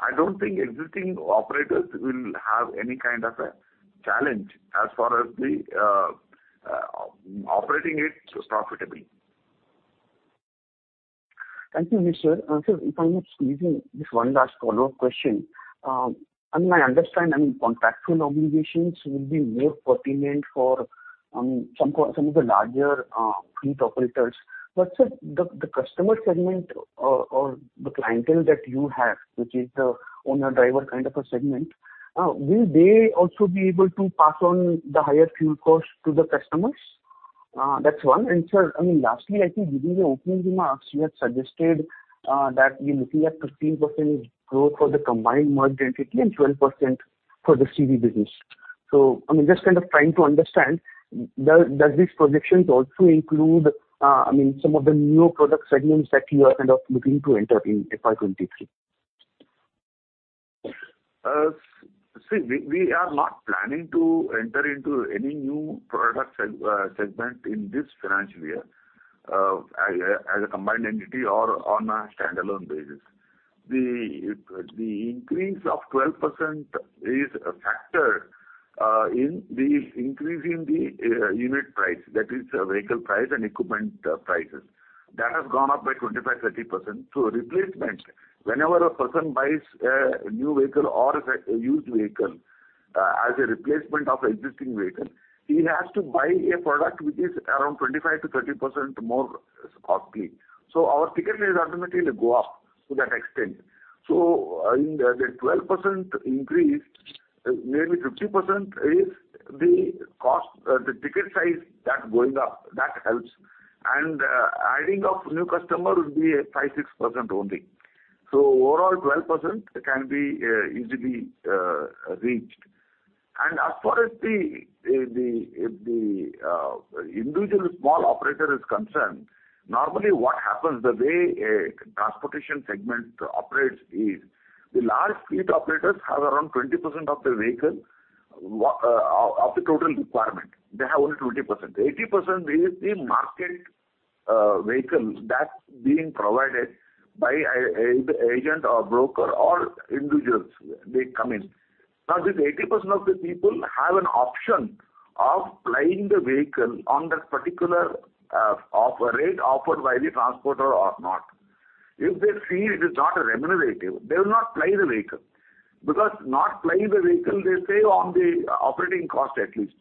I don't think existing operators will have any kind of a challenge as far as the operating it is profitable. Thank you, sir. Sir, if I may squeeze in this one last follow-up question. I mean, I understand, contractual obligations will be more pertinent for some of the larger fleet operators. Sir, the customer segment or the clientele that you have, which is the owner-driver kind of a segment, will they also be able to pass on the higher fuel costs to the customers? That's one. Sir, I mean, lastly, I think during the opening remarks, you had suggested that we're looking at 15% growth for the combined merged entity and 12% for the CV business. I mean, just kind of trying to understand, does these projections also include some of the new product segments that you are kind of looking to enter in FY 2023? We are not planning to enter into any new product segment in this financial year, as a combined entity or on a standalone basis. The increase of 12% is a factor in the increase in the unit price, that is vehicle price and equipment prices. That has gone up by 25%-30%. Replacement, whenever a person buys a new vehicle or a used vehicle, as a replacement of existing vehicle, he has to buy a product which is around 25%-30% more costly. Our ticket will automatically go up to that extent. In the 12% increase, maybe 50% is the cost, the ticket size that going up, that helps. Adding of new customer will be only 5%-6%. Overall 12% can be easily reached. As far as the individual small operator is concerned, normally what happens, the way a transportation segment operates is the large fleet operators have around 20% of the vehicle, of the total requirement. They have only 20%, 80% is the market. Vehicles that's being provided by the agent or broker or individuals, they come in. Now, this 80% of the people have an option of plying the vehicle on that particular offer rate offered by the transporter or not. If they feel it is not remunerative, they will not ply the vehicle. Because not plying the vehicle, they save on the operating cost at least.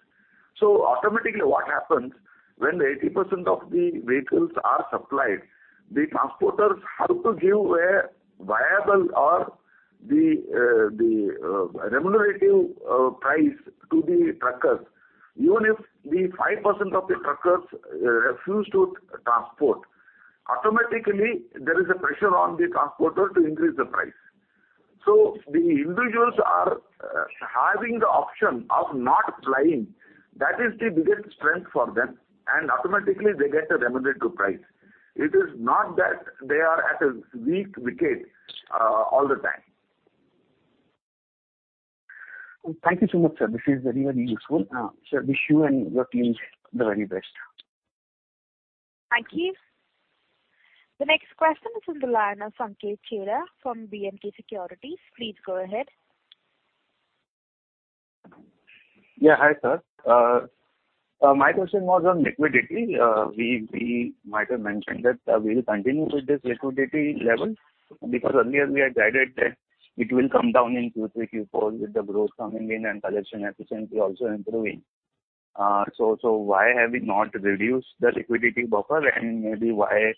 Automatically, what happens when the 80% of the vehicles are supplied, the transporters have to give a viable or the remunerative price to the truckers. Even if the 5% of the truckers refuse to transport, automatically there is a pressure on the transporter to increase the price. The individuals are having the option of not plying. That is the biggest strength for them, and automatically they get a remunerative price. It is not that they are at a weak wicket all the time. Thank you so much, sir. This is very, very useful. Sir, wish you and your team the very best. Thank you. The next question is from the line of Sanket Chheda from B&K Securities. Please go ahead. Yeah, hi, sir. My question was on liquidity. We might have mentioned that we'll continue with this liquidity level, because earlier we had guided that it will come down in Q3, Q4 with the growth coming in and collection efficiency also improving. Why have we not reduced the liquidity buffer? Maybe why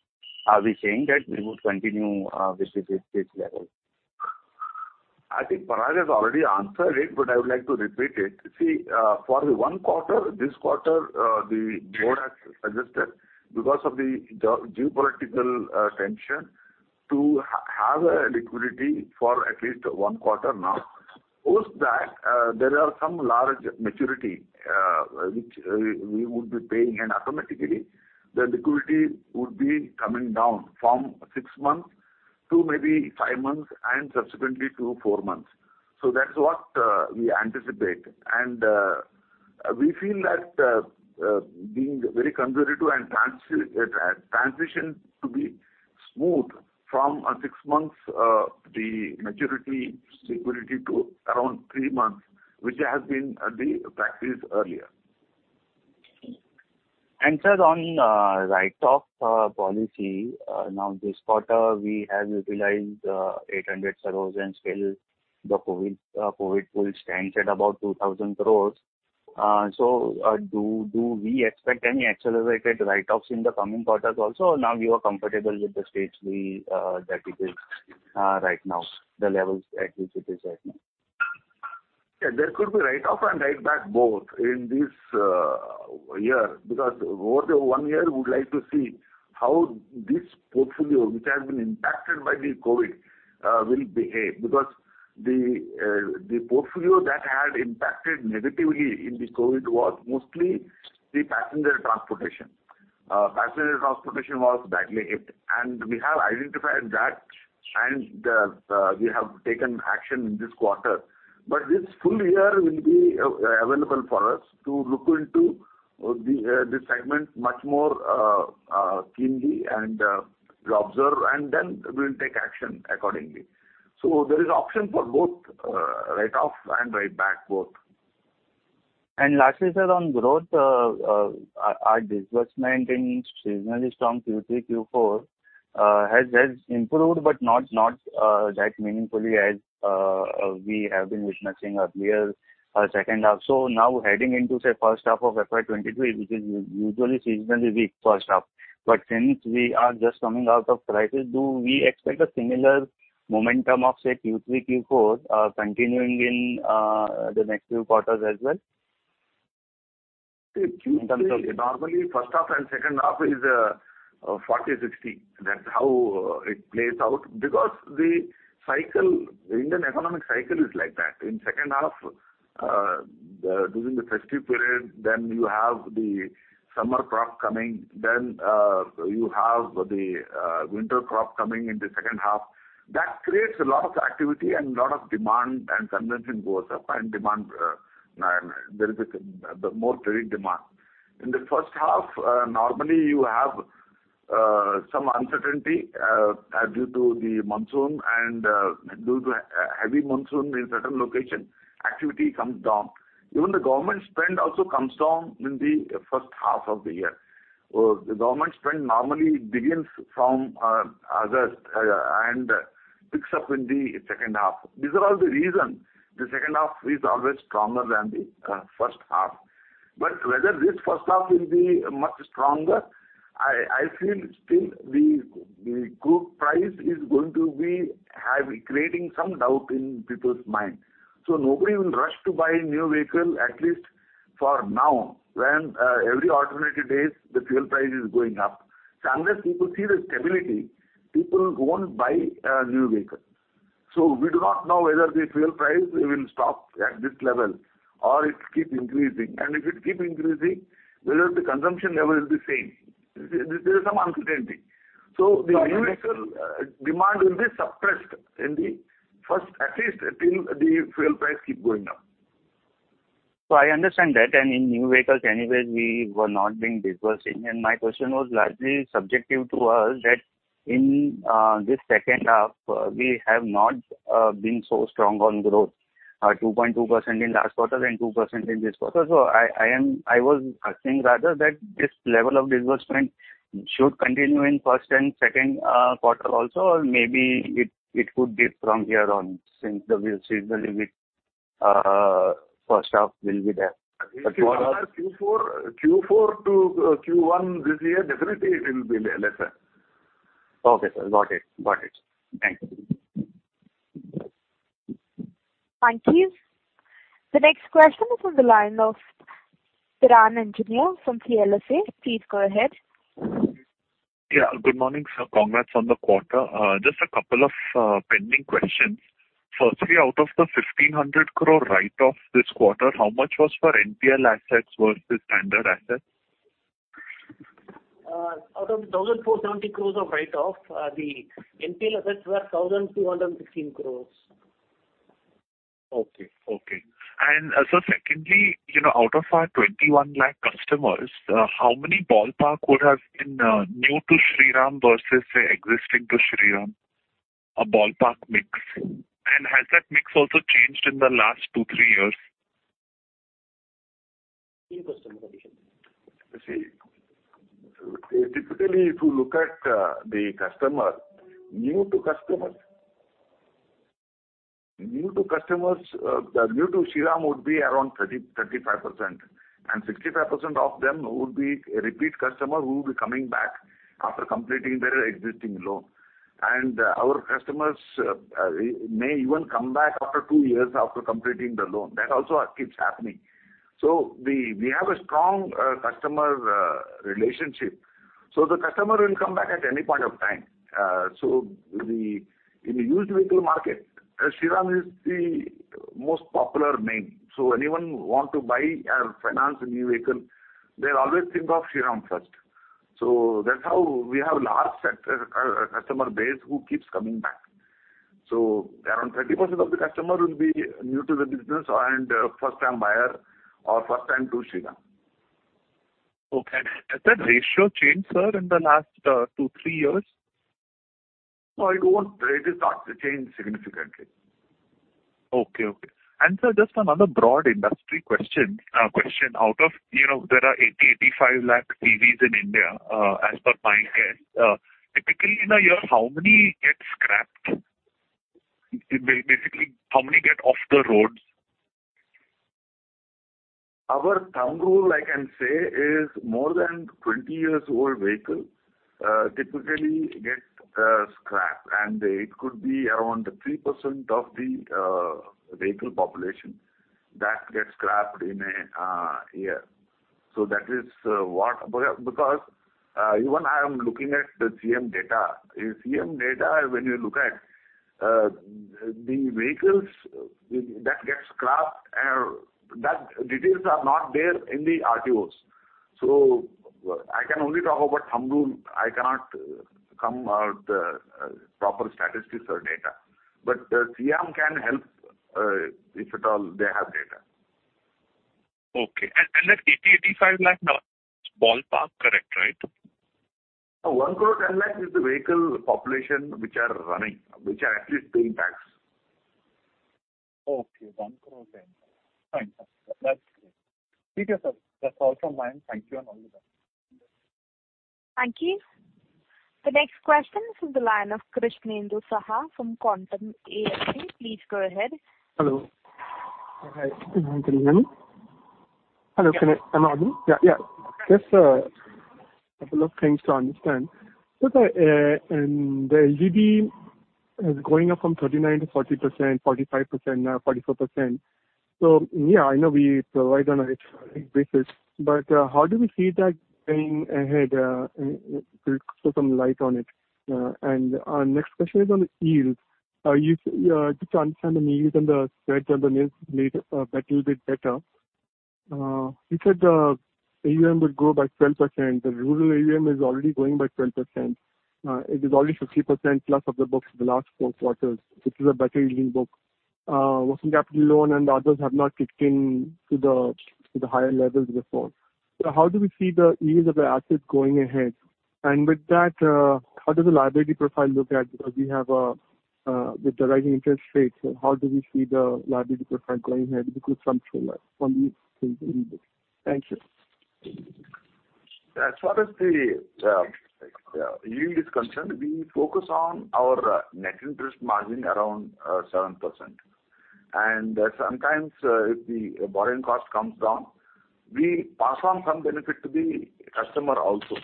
are we saying that we would continue with the fixed rates level? I think Parag has already answered it, but I would like to repeat it. See, for one quarter, this quarter, the board has suggested because of the geopolitical tension to have a liquidity for at least one quarter now. Post that, there are some large maturity, which we would be paying, and automatically the liquidity would be coming down from six months to maybe five months and subsequently to four months. That's what we anticipate. We feel that being very conservative and transition to be smooth from six months the maturity security to around three months, which has been the practice earlier. Sir, on write-off policy, now this quarter we have utilized 800 crore and still the COVID pool stands at about 2,000 crore. Do we expect any accelerated write-offs in the coming quarters also? Now you are comfortable with the stage that it is right now, the levels at which it is right now. Yeah, there could be write-off and write-back both in this year. Because over the one year, we would like to see how this portfolio, which has been impacted by the COVID, will behave. Because the portfolio that had impacted negatively in the COVID was mostly the passenger transportation. Passenger transportation was badly hit, and we have identified that and we have taken action in this quarter. But this full year will be available for us to look into the segment much more keenly and observe, and then we'll take action accordingly. There is option for both write-off and write-back both. Lastly, sir, on growth, our disbursement in seasonally strong Q3, Q4 has improved, but not that meaningfully as we have been witnessing earlier second half. Now heading into, say, first half of FY 2023, which is usually seasonally weak first half, but since we are just coming out of crisis, do we expect a similar momentum of, say, Q3, Q4 continuing in the next few quarters as well? In terms of- Normally, first half and second half is 40-60. That's how it plays out. Because the cycle, the Indian economic cycle is like that. In second half, during the festive period, then you have the summer crop coming, then you have the winter crop coming in the second half. That creates a lot of activity and lot of demand, and consumption goes up and demand, there is more trade demand. In the first half, normally you have some uncertainty due to the monsoon and due to heavy monsoon in certain location, activity comes down. Even the government spend also comes down in the first half of the year. The government spend normally begins from August and picks up in the second half. These are all the reasons the second half is always stronger than the first half. Whether this first half will be much stronger, I feel still the crude price is going to be creating some doubt in people's minds. Nobody will rush to buy a new vehicle, at least for now, when every alternate days the fuel price is going up. Unless people see the stability, people won't buy a new vehicle. We do not know whether the fuel price will stop at this level or it keep increasing. If it keep increasing, whether the consumption level is the same. There is some uncertainty. The new vehicle demand will be suppressed in the first, at least till the fuel price keep going up. I understand that and in new vehicles anyways we were not being disbursing and my question was largely subject to this that in this second half we have not been so strong on growth. 2.2% in last quarter and 2% in this quarter. I was asking rather that this level of disbursement should continue in first and second quarter also or maybe it could dip from here on since the seasonality in first half will be there. Q4-Q1 this year definitely it will be lesser. Okay, sir. Got it. Thank you. Thank you. The next question is on the line of Piran Engineer from CLSA. Please go ahead. Yeah, good morning, sir. Congrats on the quarter. Just a couple of pending questions. Firstly, out of the 1,500 crore write-off this quarter, how much was for NPL assets versus standard assets? Out of 1,047 crore of write-off, the NPL assets were 1,216 crore. Secondly, you know, out of our 21 lakh customers, how many ballpark would have been new to Shriram versus say existing to Shriram, a ballpark mix? Has that mix also changed in the last two, three years? New customers. You see, typically if you look at the customer, new to customers, new to Shriram would be around 30%-35% and 65% of them would be repeat customer who will be coming back after completing their existing loan. Our customers may even come back after two years after completing the loan. That also keeps happening. We have a strong customer relationship. The customer will come back at any point of time. In the used vehicle market, Shriram is the most popular name. Anyone want to buy or finance a new vehicle, they always think of Shriram first. That's how we have large set customer base who keeps coming back. Around 30% of the customer will be new to the business and first time buyer or first time to Shriram. Okay. Has that ratio changed, sir, in the last two, three years? No, it won't. It is not changed significantly. Okay. Sir, just another broad industry question. Out of, you know, there are 85 lakh CVs in India, as per my guess. Typically in a year how many get scrapped? Basically how many get off the roads? Our thumb rule I can say is more than 20 years old vehicle typically get scrapped and it could be around 3% of the vehicle population that gets scrapped in a year. That is what. Because even I am looking at the SIAM data. The SIAM data when you look at the vehicles that gets scrapped that details are not there in the RTOs. I can only talk about thumb rule, I cannot come out proper statistics or data. SIAM can help if at all they have data. Okay. That 80 lakh-85 lakh now is ballpark correct, right? 1 crore 10 lakh is the vehicle population which are running, which are at least paying tax. Okay. 1.10 crore. Fine, sir. That's great. Thank you, sir. That's all from my end. Thank you and all the best. Thank you. The next question is from the line of Krishnendu Saha from Quantum AMC. Please go ahead. Hello. Hi, good evening. Hello. Am I on? Yeah, yeah. Just a couple of things to understand. The LGD is going up from 39%-40%, 45%, now 44%. Yeah, I know we provide on a risk basis, but how do we see that going ahead, will throw some light on it. Our next question is on yield. To understand the yield and the spreads on the news made a little bit better. You said AUM would grow by 12%. The rural AUM is already growing by 12%. It is already 50% plus of the books in the last four quarters, which is a better yielding book. Working capital loan and others have not kicked in to the higher levels before. How do we see the yields of the assets going ahead? With that, how does the liability profile look like because we have, with the rising interest rates, how do we see the liability profile going ahead? Because some color from you to lead this. Thank you. As far as the yield is concerned, we focus on our net interest margin around 7%. Sometimes, if the borrowing cost comes down, we pass on some benefit to the customer also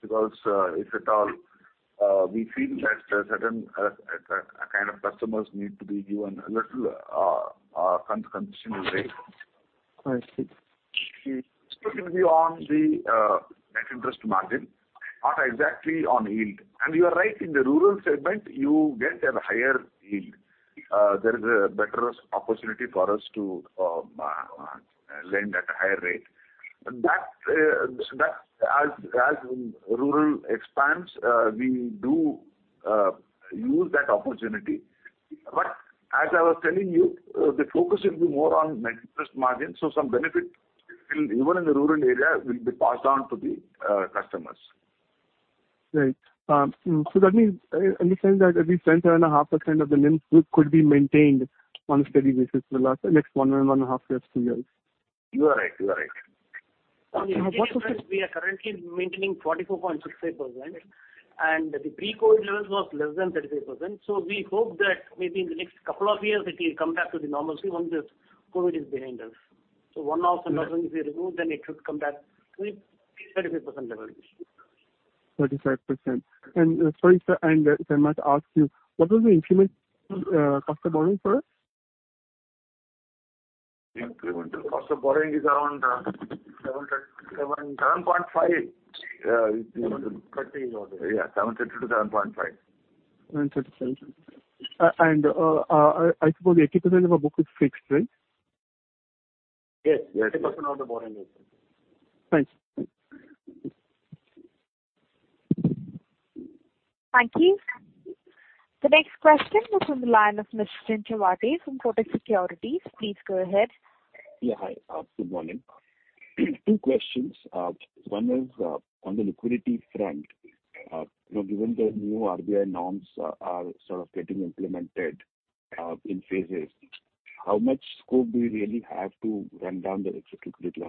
because, if at all, we feel that certain kind of customers need to be given a little concession rate. I see. It will be on the net interest margin, not exactly on yield. You are right, in the rural segment, you get a higher yield. There is a better opportunity for us to lend at a higher rate. That as rural expands, we do use that opportunity. As I was telling you, the focus will be more on net interest margin. Some benefit will even in the rural area be passed on to the customers. That means understand that at least 10.5% of the NIM could be maintained on a steady basis for the next one year, one and half years, two years. You are right. You are right. Okay. What was the? We are currently maintaining 44.68% and the pre-COVID levels was less than 33%. We hope that maybe in the next couple of years it will come back to the normalcy once this COVID is behind us. 1.5% will be removed, then it should come back to the 33% level. 35%. Sorry, sir, if I must ask you, what was the incremental cost of borrowing for us? Incremental. Cost of borrowing is around 7.37%. 7.5%, uh yeah, 7.30%-7.5%. 7.30%, 7.5%. I suppose 80% of our book is fixed, right? Yes. Yes. 80% of the borrowing is fixed. Thanks. Thank you. The next question is from the line of Mr. Nischint Chawathe from Kotak Securities. Please go ahead. Yeah, hi. Good morning. Two questions. One is on the liquidity front. You know, given the new RBI norms are sort of getting implemented in phases, how much scope do you really have to run down the excess liquidity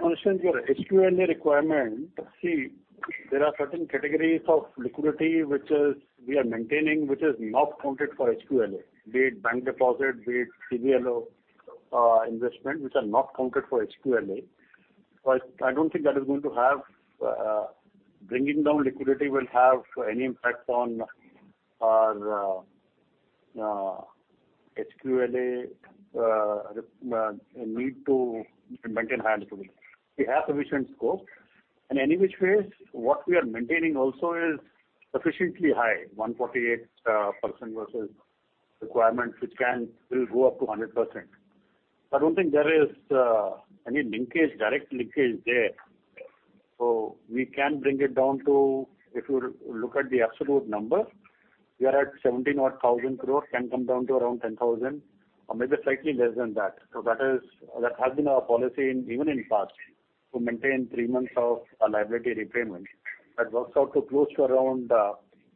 on the balance sheet? Understand your HQLA requirement. See, there are certain categories of liquidity which we are maintaining, which is not counted for HQLA. Be it bank deposit, be it CDLO, investment, which are not counted for HQLA. I don't think bringing down liquidity will have any impact on our HQLA need to maintain high liquidity. We have sufficient scope. Any which ways, what we are maintaining also is sufficiently high, 148% versus requirements which will go up to 100%. I don't think there is any direct linkage there. We can bring it down to, if you look at the absolute number, we are at 17,000 crore which can come down to around 10,000 crore or maybe slightly less than that. That has been our policy, even in the past, to maintain three months of a liability repayment. That works out to close to around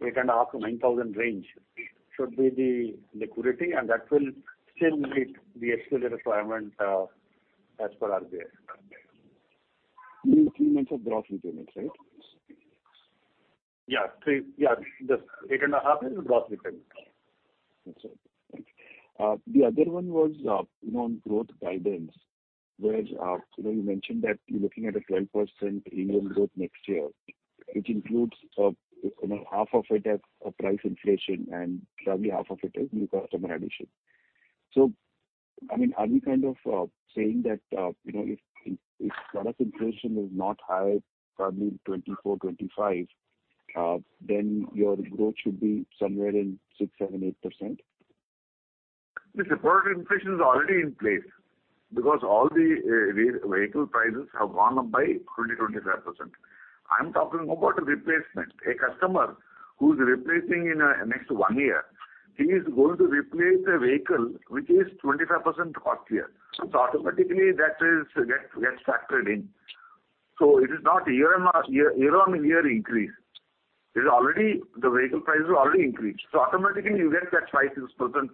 8,500 crores-INR9,000 crores range. That should be the liquidity, and that will still meet the HQLA requirement as per RBI. You mean three months of gross repayments, right? The INR8,5000 crores is gross repayments. That's right. Thank you. The other one was, you know, on growth guidance, whereas, you know, you mentioned that you're looking at a 12% AUM growth next year, which includes, you know, half of it as a price inflation and probably half of it is new customer addition. I mean, are we kind of, you know, saying that, you know, if product inflation is not high, probably 24%-25%, then your growth should be somewhere in 6%, 7%, 8%? Product inflation is already in place because all the vehicle prices have gone up by 25%. I'm talking about a replacement. A customer who is replacing in next one year, he is going to replace a vehicle which is 25% costlier. Automatically that gets factored in. It is not year on year increase. It is already. The vehicle prices are already increased. Automatically you get that 5%-6%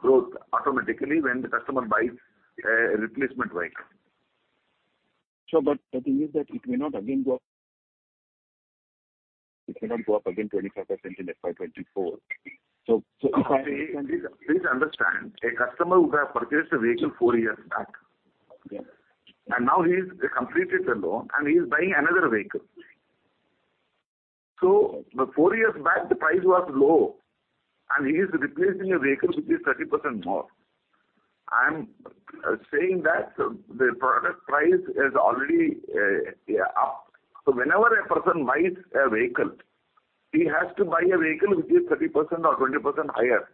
growth automatically when the customer buys a replacement vehicle. Sure. The thing is that it may not again go up. It may not go up again 25% in FY 2024. Please, please understand. A customer who have purchased a vehicle four years back. Yes. Now he's completed the loan and he's buying another vehicle. Four years back the price was low and he is replacing a vehicle which is 30% more. I'm saying that the product price is already up. Whenever a person buys a vehicle, he has to buy a vehicle which is 30% or 20% higher.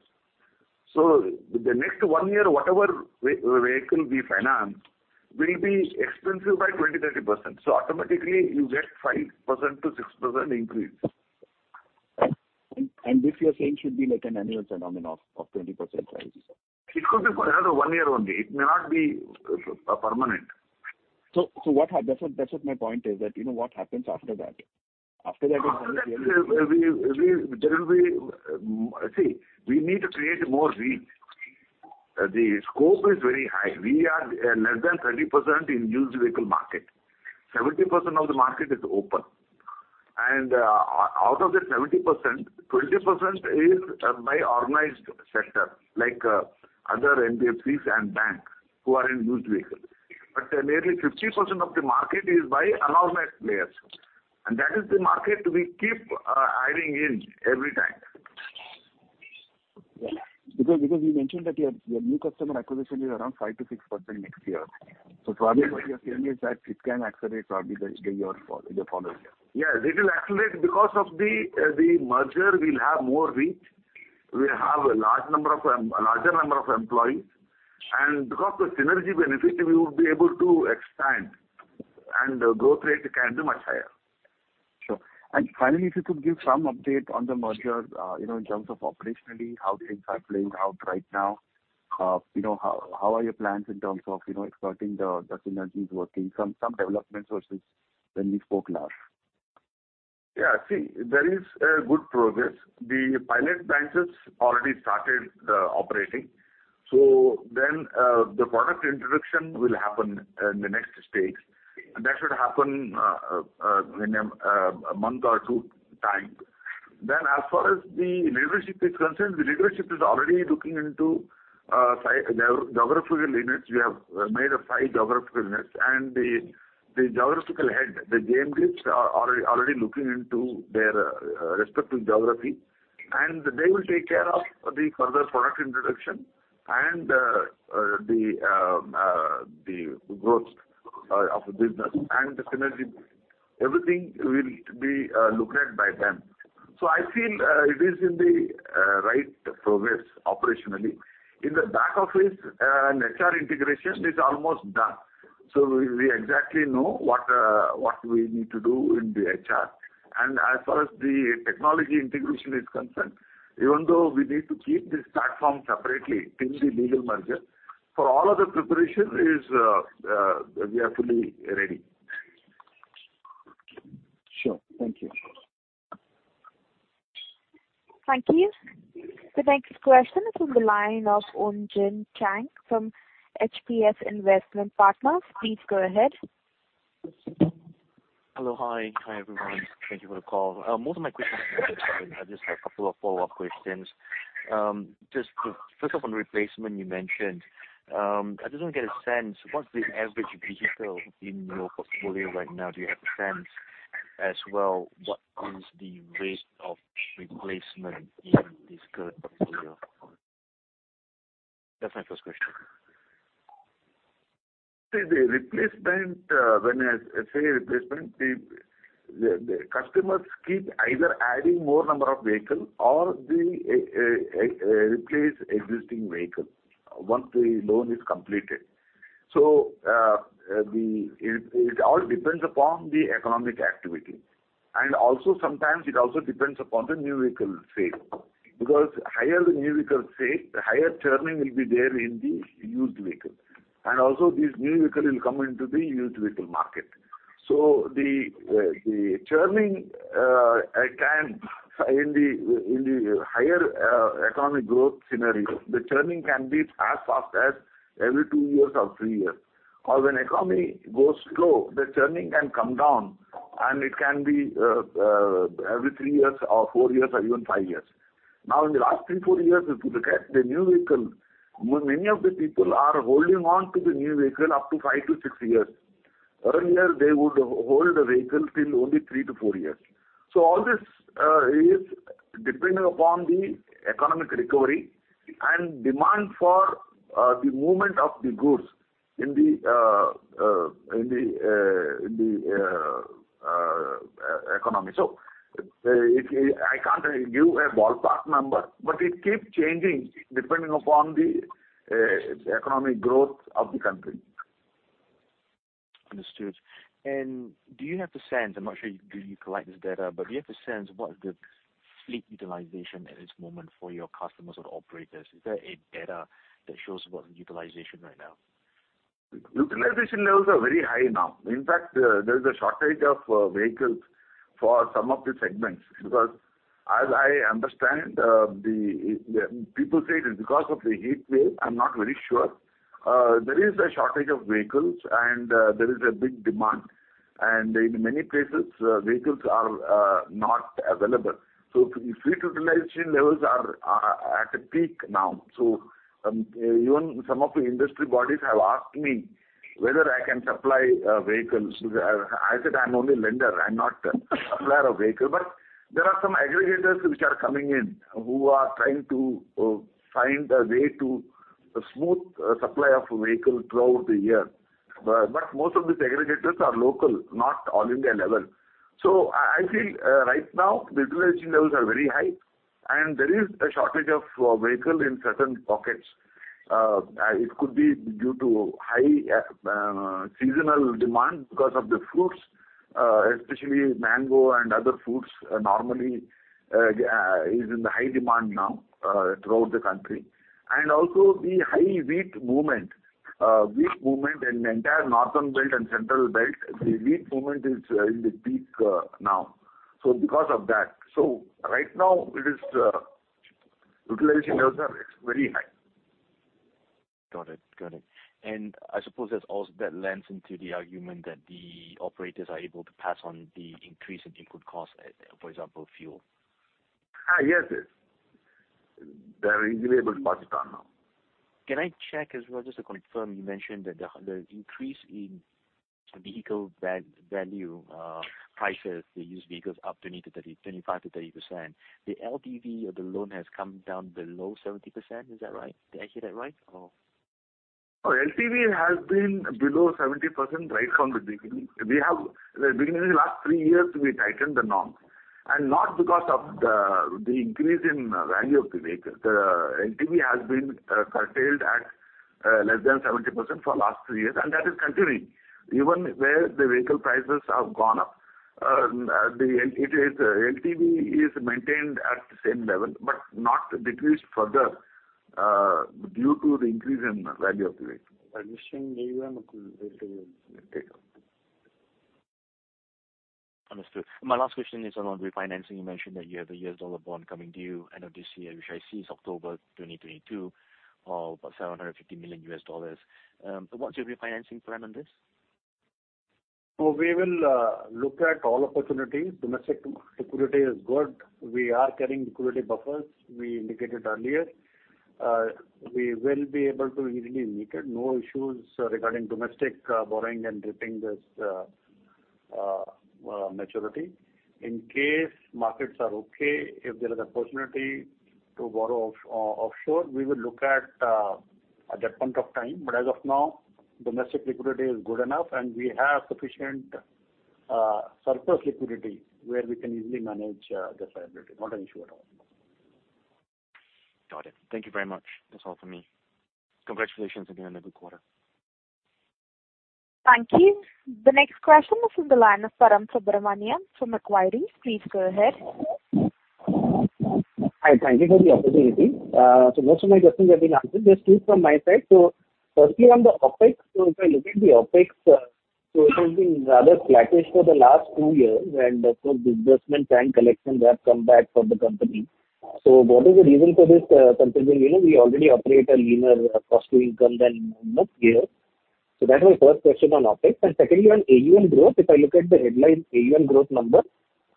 The next one year, whatever vehicle we finance will be expensive by 20%-30%. Automatically you get 5%-6% increase. this you're saying should be like an annual phenomenon of 20% prices. It could be for another one year only. It may not be, permanent. That's what my point is that, you know, what happens after that? After that. There will be. See, we need to create more reach. The scope is very high. We are less than 30% in used vehicle market. 70% of the market is open. Out of that 70%, 20% is by organized sector like other NBFCs and banks who are in used vehicles. Nearly 50% of the market is by unorganized players. That is the market we keep hiring in every time. Yeah. Because you mentioned that your new customer acquisition is around 5%-6% next year. Probably what you're saying is that it can accelerate probably the following year. Yeah, it will accelerate because of the merger. We'll have more reach. We have a larger number of employees. Because the synergy benefit, we would be able to expand and growth rate can be much higher. Sure. Finally, if you could give some update on the merger, you know, in terms of operationally, how things are playing out right now. You know, how are your plans in terms of, you know, exploiting the synergies working? Some developments versus when we spoke last. Yeah. See, there is good progress. The pilot branches already started operating. The product introduction will happen in the next stage. That should happen in a month or two time. As far as the leadership is concerned, the leadership is already looking into geographical units. We have made five geographical units, and the geographical head, the JMDs are already looking into their respective geography. They will take care of the further product introduction and the growth of the business and the synergy. Everything will be looked at by them. I feel it is in the right progress operationally. In the back office, and HR integration is almost done, so we exactly know what we need to do in the HR. As far as the technology integration is concerned, even though we need to keep this platform separately till the legal merger, we are fully ready. Sure. Thank you. Thank you. The next question is from the line of Oon Jin Chng from HPS Investment Partners. Please go ahead. Hello. Hi. Hi, everyone. Thank you for the call. Most of my questions have been answered. I just have a couple of follow-up questions. Just to first off on replacement you mentioned, I just wanna get a sense, what's the average vehicle in your portfolio right now? Do you have a sense as well, what is the rate of replacement in this current portfolio? That's my first question. See the replacement, when I say replacement, the customers keep either adding more number of vehicle or they replace existing vehicle once the loan is completed. It all depends upon the economic activity. Also sometimes it also depends upon the new vehicle sale. Because higher the new vehicle sale, the higher churning will be there in the used vehicle. Also this new vehicle will come into the used vehicle market. The churning can in the higher economic growth scenario, the churning can be as fast as every two years or three years. When economy goes slow, the churning can come down, and it can be every three years or four years or even five years. Now, in the last three to four years, if you look at the new vehicle, many of the people are holding on to the new vehicle up to five to six years. Earlier, they would hold the vehicle till only three to four years. All this is dependent upon the economic recovery and demand for the movement of the goods in the economy. If I can't give a ballpark number, but it keeps changing depending upon the economic growth of the country. Understood. Do you have the sense, I'm not sure do you collect this data, but do you have a sense of what is the fleet utilization at this moment for your customers or the operators? Is there a data that shows what's the utilization right now? Utilization levels are very high now. In fact, there is a shortage of vehicles for some of the segments. Because as I understand, the people say it is because of the heat wave, I'm not very sure. There is a shortage of vehicles, and there is a big demand. In many places, vehicles are not available. Fleet utilization levels are at a peak now. Even some of the industry bodies have asked me whether I can supply vehicles. I said I'm only a lender, I'm not a supplier of vehicle. There are some aggregators which are coming in who are trying to find a way to smooth supply of vehicle throughout the year. Most of these aggregators are local, not all India level. I feel right now the utilization levels are very high, and there is a shortage of vehicle in certain pockets. It could be due to high seasonal demand because of the fruits, especially mango and other fruits normally is in high demand now throughout the country. Also the high wheat movement. Wheat movement in the entire northern belt and central belt, the wheat movement is in the peak now, so because of that. Right now it is utilization levels are at very high. Got it. I suppose that lends into the argument that the operators are able to pass on the increase in input costs, for example, fuel. Yes, yes. They're easily able to pass it on now. Can I check as well, just to confirm, you mentioned that the increase in the vehicle value prices, the used vehicles up 25%-30%. The LTV of the loan has come down below 70%. Is that right? Did I hear that right or? Our LTV has been below 70% right from the beginning. We have tightened the norm beginning last three years and not because of the increase in value of the vehicle. The LTV has been curtailed at less than 70% for last three years, and that is continuing. Even where the vehicle prices have gone up, the LTV is maintained at the same level but not decreased further due to the increase in value of the vehicle. Understood. My last question is around refinancing. You mentioned that you have a year's dollar bond coming due end of this year, which I see is October 2022 of $750 million US dollars. What's your refinancing plan on this? We will look at all opportunities. Domestic liquidity is good. We are carrying liquidity buffers we indicated earlier. We will be able to easily meet it. No issues regarding domestic borrowing and repaying this maturity. In case markets are okay, if there is an opportunity to borrow offshore, we will look at that point of time. As of now, domestic liquidity is good enough, and we have sufficient surplus liquidity where we can easily manage the liability. Not an issue at all. Got it. Thank you very much. That's all for me. Congratulations again on a good quarter. Thank you. The next question is from the line of Param Subramanian from Equity Research. Please go ahead. Hi, thank you for the opportunity. Most of my questions have been answered. Just two from my side. Firstly on the OpEx. If I look at the OpEx, it has been rather flattish for the last two years. Of course, disbursements and collections have come back for the company. What is the reason for this continuing? You know, we already operate a leaner cost to income than most peers. That's my first question on OpEx. Secondly, on AUM growth. If I look at the headline AUM growth number,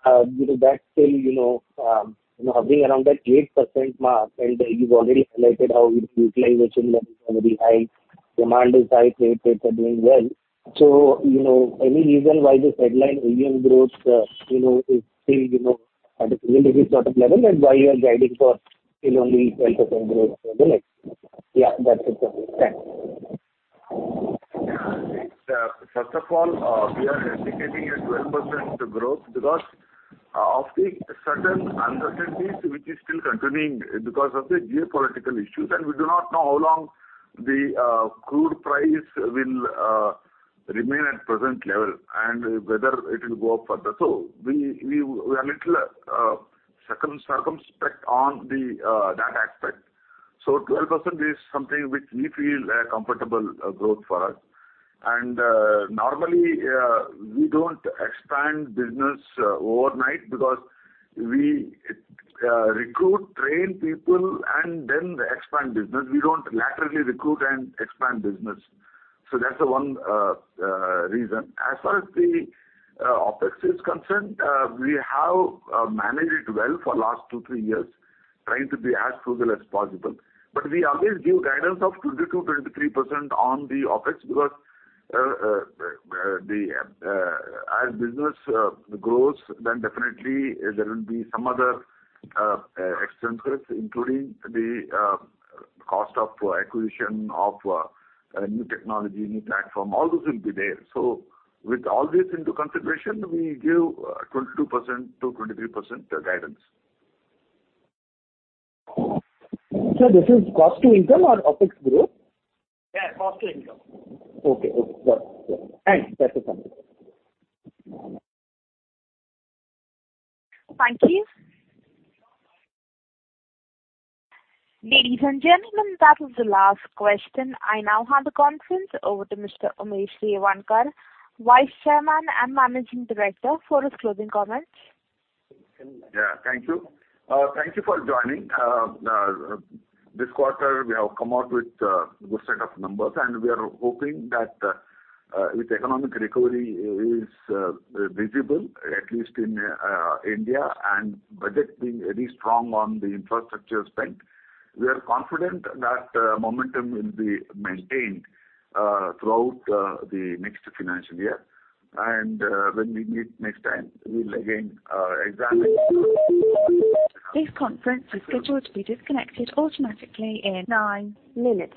that's still, you know, hovering around that 8% mark, and you've already highlighted how its utilization levels are very high. Demand is high. Rates are doing well. You know, any reason why this headline AUM growth is still, you know, at a single digit sort of level and why you are guiding for still only 12% growth for the next year? Yeah, that's it from me. Thanks. Yeah. It's first of all, we are anticipating a 12% growth because of the certain uncertainties which is still continuing because of the geopolitical issues. We do not know how long the crude price will remain at present level and whether it will go up further. We are little circumspect on that aspect. 12% is something which we feel a comfortable growth for us. Normally, we don't expand business overnight because we recruit, train people and then expand business. We don't laterally recruit and expand business. That's the one reason. As far as the OpEx is concerned, we have managed it well for last two, three years, trying to be as frugal as possible. We always give guidance of 22%-23% on the OpEx because as business grows then definitely there will be some other expenses including the cost of acquisition of new technology, new platform. All those will be there. With all this into consideration, we give 22%-23% guidance. This is cost to income or OpEx growth? Yeah, cost to income. Okay. Got it. Thanks. That's it from me. Thank you. Ladies and gentlemen, that was the last question. I now hand the conference over to Mr. Umesh Revankar, Vice Chairman and Managing Director, for his closing comments. Yeah, thank you. Thank you for joining. This quarter we have come out with a good set of numbers, and we are hoping that with economic recovery is visible, at least in India and budget being very strong on the infrastructure spend, we are confident that momentum will be maintained throughout the next financial year. When we meet next time, we'll again examine- This conference is scheduled to be disconnected automatically in nine minutes.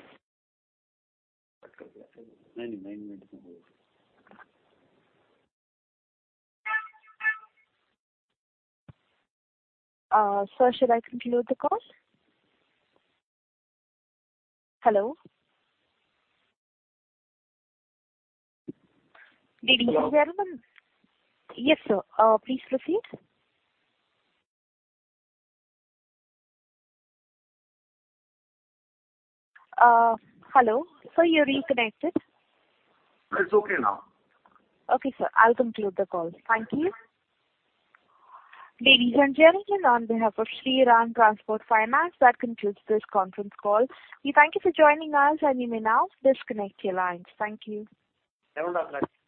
99 minutes. Sir, should I conclude the call? Hello? Ladies and gentlemen. Hello. Yes, sir. Please proceed. Hello. Sir, you're reconnected. It's okay now. Okay, sir. I'll conclude the call. Thank you. Ladies and gentlemen, on behalf of Shriram Transport Finance, that concludes this conference call. We thank you for joining us, and you may now disconnect your lines. Thank you. Have a nice night.